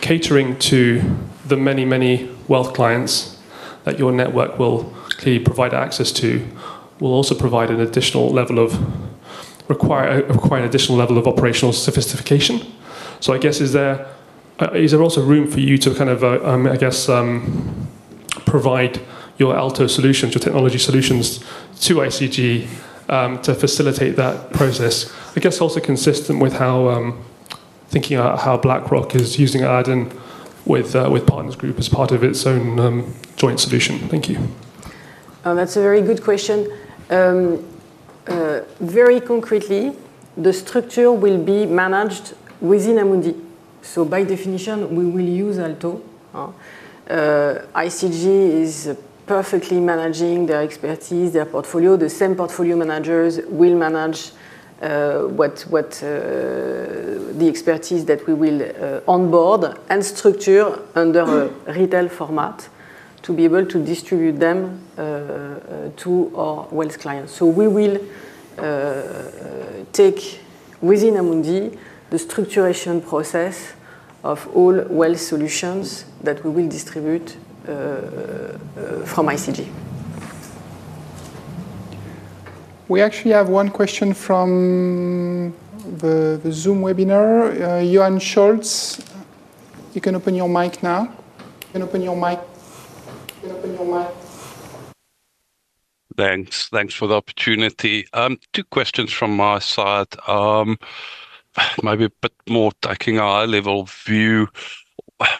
catering to the many, many wealth clients that your network will provide access to will also provide an additional level of require an additional level of operational sophistication. I guess is there also room for you to kind of, I guess, provide your ALTO solutions, your technology solutions to ICG to facilitate that process? I guess also consistent with thinking about how BlackRock is using Aladdin with Partners Group as part of its own joint solution. Thank you. That's a very good question. Very concretely, the structure will be managed within Amundi. By definition, we will use ALTO. ICG is perfectly managing their expertise, their portfolio. The same portfolio managers will manage the expertise that we will onboard and structure under a retail format to be able to distribute them to our wealth clients. We will take within Amundi the structuration process of all wealth solutions that we will distribute from ICG. We actually have one question from the Zoom webinar. Johann Schultz, you can open your mic now. You can open your mic. You can open your mic. Thanks. Thanks for the opportunity. Two questions from my side. Maybe a bit more taking our level of view.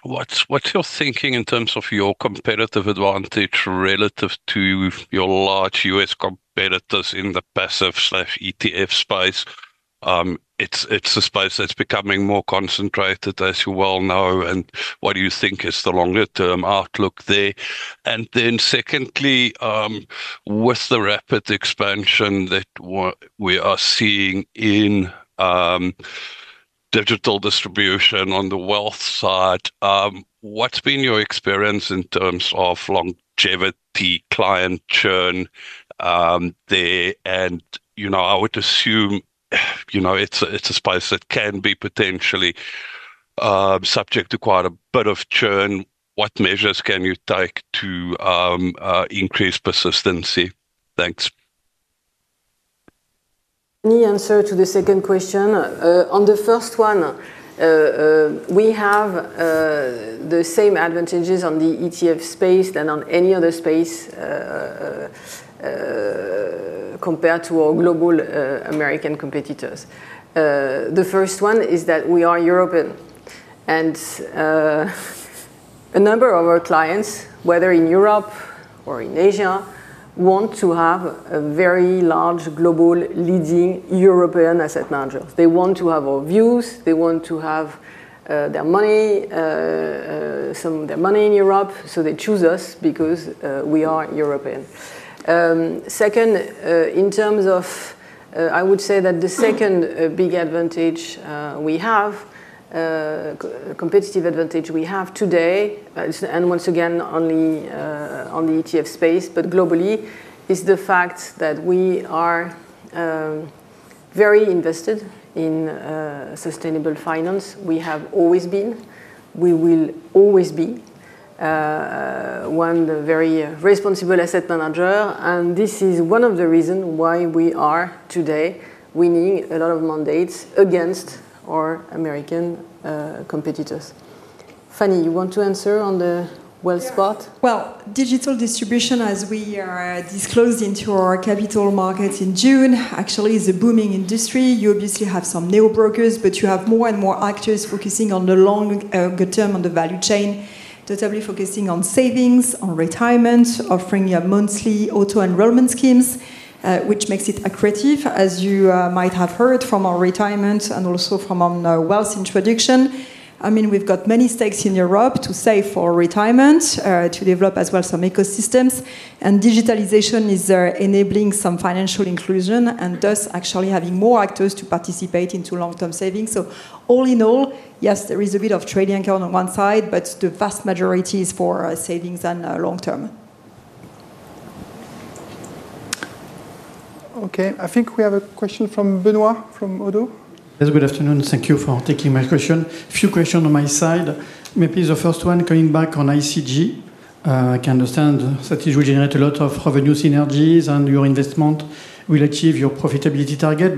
What's your thinking in terms of your competitive advantage relative to your large U.S. competitors in the passive/ETF space? It's a space that's becoming more concentrated, as you well know, and what do you think is the longer-term outlook there? Secondly, with the rapid expansion that we are seeing in digital distribution on the wealth side, what's been your experience in terms of longevity, client churn there? I would assume it's a space that can be potentially subject to quite a bit of churn. What measures can you take to increase persistency? Thanks. Any answer to the second question? On the first one, we have the same advantages on the ETF space than on any other space compared to our global American competitors. The first one is that we are European. A number of our clients, whether in Europe or in Asia, want to have a very large global leading European asset managers. They want to have our views. They want to have some of their money in Europe. They choose us because we are European. Second, in terms of, I would say that the second big advantage we have, competitive advantage we have today, and once again, only on the ETF space, but globally, is the fact that we are very invested in sustainable finance. We have always been. We will always be one very responsible asset manager. This is one of the reasons why we are today winning a lot of mandates against our American competitors. Fannie, you want to answer on the wealth spot? Digital distribution, as we disclosed into our capital markets in June, actually is a booming industry. You obviously have some neobrokers, but you have more and more actors focusing on the longer term on the value chain, totally focusing on savings, on retirement, offering you monthly auto-enrollment schemes, which makes it accurate, as you might have heard from our retirement and also from our wealth introduction. I mean, we've got many stakes in Europe to save for retirement, to develop as well some ecosystems. Digitalization is enabling some financial inclusion and thus actually having more actors to participate into long-term savings. All in all, yes, there is a bit of trading account on one side, but the vast majority is for savings and long-term. Okay. I think we have a question from Benoît from Odo. Yes, good afternoon. Thank you for taking my question. A few questions on my side. Maybe the first one coming back on ICG. I can understand that it will generate a lot of revenue synergies and your investment will achieve your profitability target.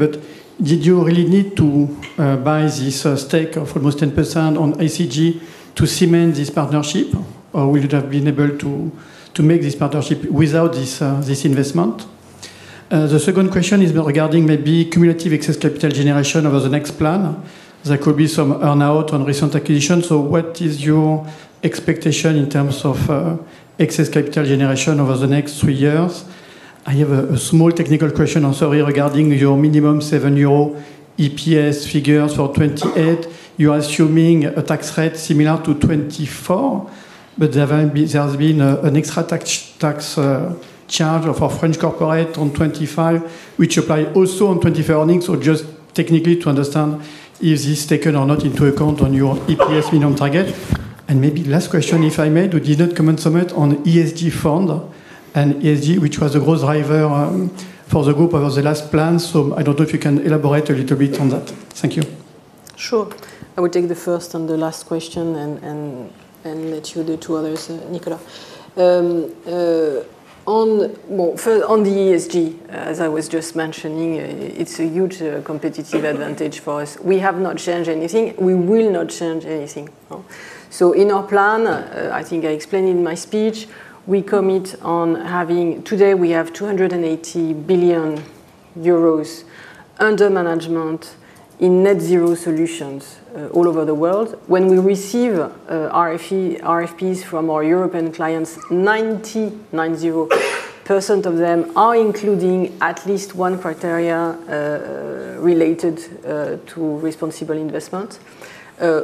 Did you really need to buy this stake of almost 10% on ICG to cement this partnership, or would you have been able to make this partnership without this investment? The second question is regarding maybe cumulative excess capital generation over the next plan. There could be some earnout on recent acquisitions. What is your expectation in terms of excess capital generation over the next three years? I have a small technical question, sorry, regarding your minimum 7 euro EPS figures for 2028. You are assuming a tax rate similar to 2024, but there has been an extra tax charge for French corporate on 2025, which applies also on 2025 earnings. Just technically to understand if this is taken or not into account on your EPS minimum target. Maybe last question, if I may, did you not comment on ESG fund and ESG, which was a growth driver for the group over the last plan? I do not know if you can elaborate a little bit on that. Thank you. Sure. I will take the first and the last question and let you do the two others, Nicolas. On the ESG, as I was just mentioning, it is a huge competitive advantage for us. We have not changed anything. We will not change anything. In our plan, I think I explained in my speech, we commit on having today we have 280 billion euros under management in net zero solutions all over the world. When we receive RFPs from our European clients, 90% of them are including at least one criteria related to responsible investment.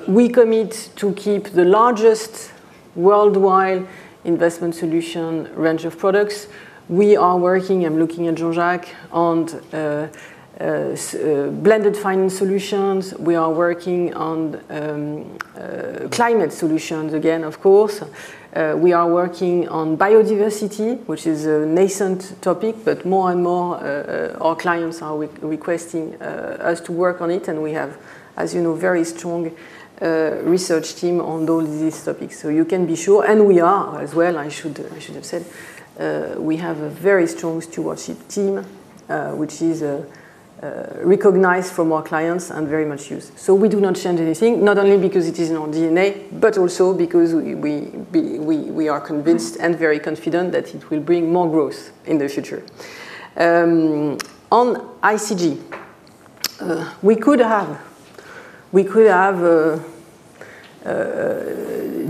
We commit to keep the largest worldwide investment solution range of products. We are working, I'm looking at Jean-Jacques, on blended finance solutions. We are working on climate solutions again, of course. We are working on biodiversity, which is a nascent topic, but more and more our clients are requesting us to work on it. And we have, as you know, a very strong research team on all these topics. You can be sure. We are as well, I should have said. We have a very strong stewardship team, which is recognized from our clients and very much used. We do not change anything, not only because it is in our DNA, but also because we are convinced and very confident that it will bring more growth in the future. On ICG, we could have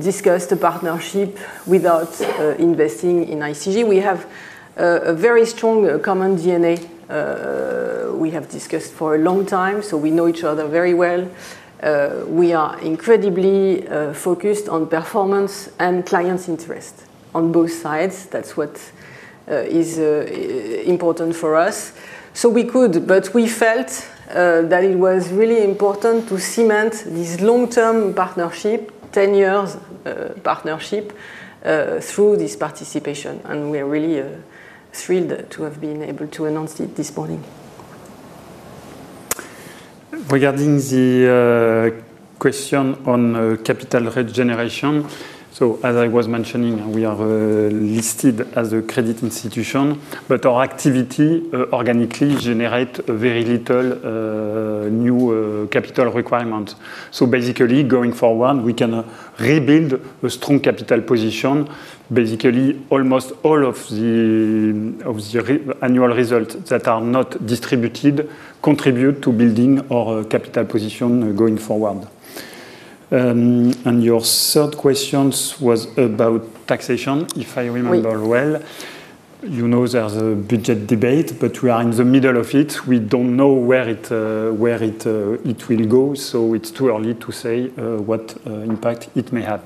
discussed a partnership without investing in ICG. We have a very strong common DNA. We have discussed for a long time, so we know each other very well. We are incredibly focused on performance and client's interest on both sides. That is what is important for us. We could, but we felt that it was really important to cement this long-term partnership, 10-year partnership through this participation. We are really thrilled to have been able to announce it this morning. Regarding the question on capital rate generation, as I was mentioning, we are listed as a credit institution, but our activity organically generates very little new capital requirements. Basically, going forward, we can rebuild a strong capital position. Almost all of the annual results that are not distributed contribute to building our capital position going forward. Your third question was about taxation, if I remember well. You know there's a budget debate, but we are in the middle of it. We don't know where it will go, so it's too early to say what impact it may have.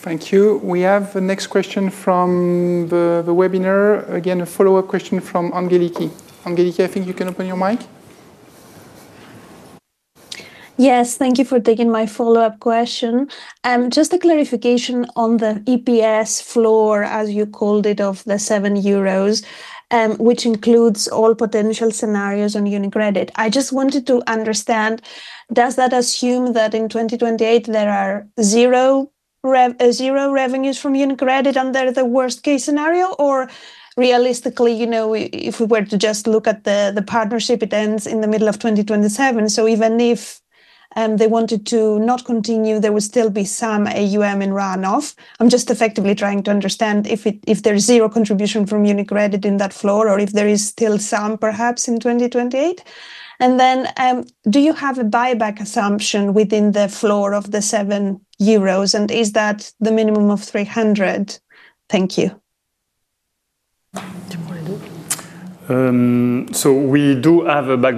Thank you. We have the next question from the webinar. Again, a follow-up question from Angeliki. Angeliki, I think you can open your mic. Yes, thank you for taking my follow-up question. Just a clarification on the EPS floor, as you called it, of 7 euros, which includes all potential scenarios on UniCredit. I just wanted to understand, does that assume that in 2028, there are zero revenues from UniCredit under the worst-case scenario? Or realistically, if we were to just look at the partnership, it ends in the middle of 2027. Even if they wanted to not continue, there would still be some AUM in runoff. I'm just effectively trying to understand if there is zero contribution from UniCredit in that floor or if there is still some, perhaps, in 2028. Do you have a buyback assumption within the floor of the 7 euros? Is that the minimum of 300? Thank you. We do have a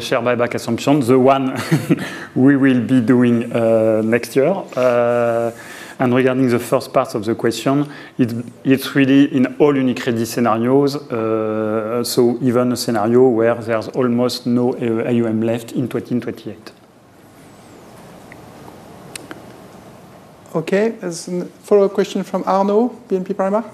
share buyback assumption, the one we will be doing next year. Regarding the first part of the question, it is really in all UniCredit scenarios, even a scenario where there is almost no AUM left in 2028. There is a follow-up question from Arno, BNP Paribas.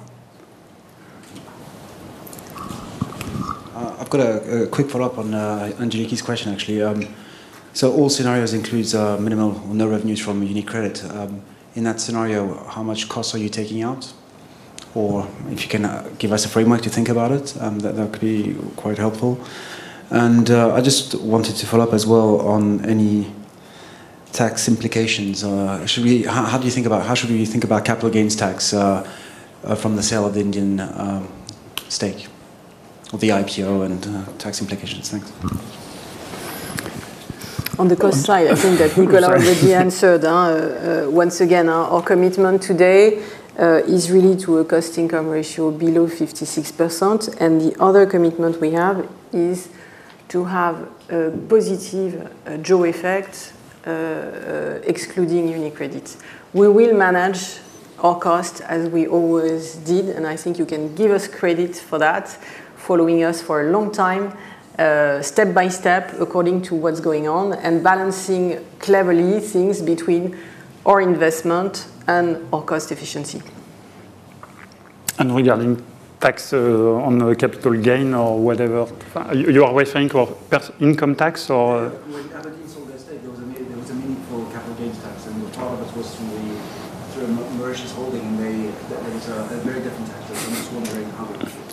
I've got a quick follow-up on Angeliki's question, actually. All scenarios include minimal or no revenues from UniCredit. In that scenario, how much cost are you taking out? If you can give us a framework to think about it, that could be quite helpful. I just wanted to follow up as well on any tax implications. How do you think about how should we think about capital gains tax from the sale of the Indian stake or the IPO and tax implications? Thanks. On the cost side, I think that Nicolas already answered. Once again, our commitment today is really to a cost income ratio below 56%. The other commitment we have is to have a positive Jaws effect excluding UniCredit. We will manage our cost as we always did, and I think you can give us credit for that, following us for a long time, step by step, according to what is going on, and balancing cleverly things between our investment and our cost efficiency. Regarding tax on capital gain or whatever, you are referring to income tax or?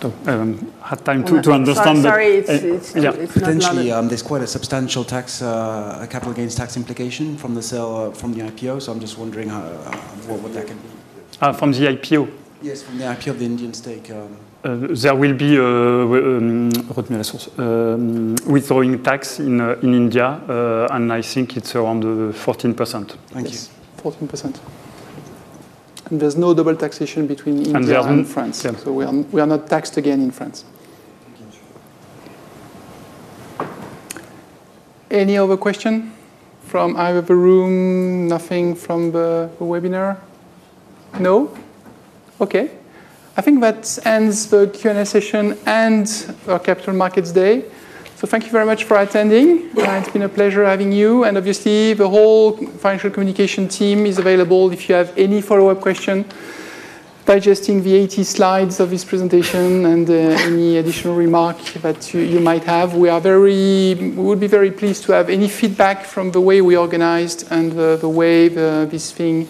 When [Abeline] sold their stake, there was a meaningful capital gains tax, and part of it was through Mauritius Holding, and they had a very different tax. I'm just wondering how it was. I haven't had time to understand that. Sorry. It's not a tax. Potentially, there's quite a substantial capital gains tax implication from the IPO, so I'm just wondering what that can be. From the IPO? Yes, from the IPO of the Indian stake. There will be withholding tax in India, and I think it's around 14%. Thank you. Yes, 14%. And there's no double taxation between India and France. We are not taxed again in France. Any other question from either of the room? Nothing from the webinar? No? Okay. I think that ends the Q&A session and our Capital Markets Day. Thank you very much for attending. It's been a pleasure having you. Obviously, the whole financial communication team is available if you have any follow-up questions, digesting the 80 slides of this presentation and any additional remark that you might have. We would be very pleased to have any feedback from the way we organized and the way this thing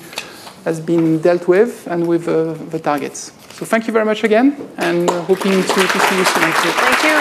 has been dealt with and with the targets. Thank you very much again, and hoping to see you soon. Thank you.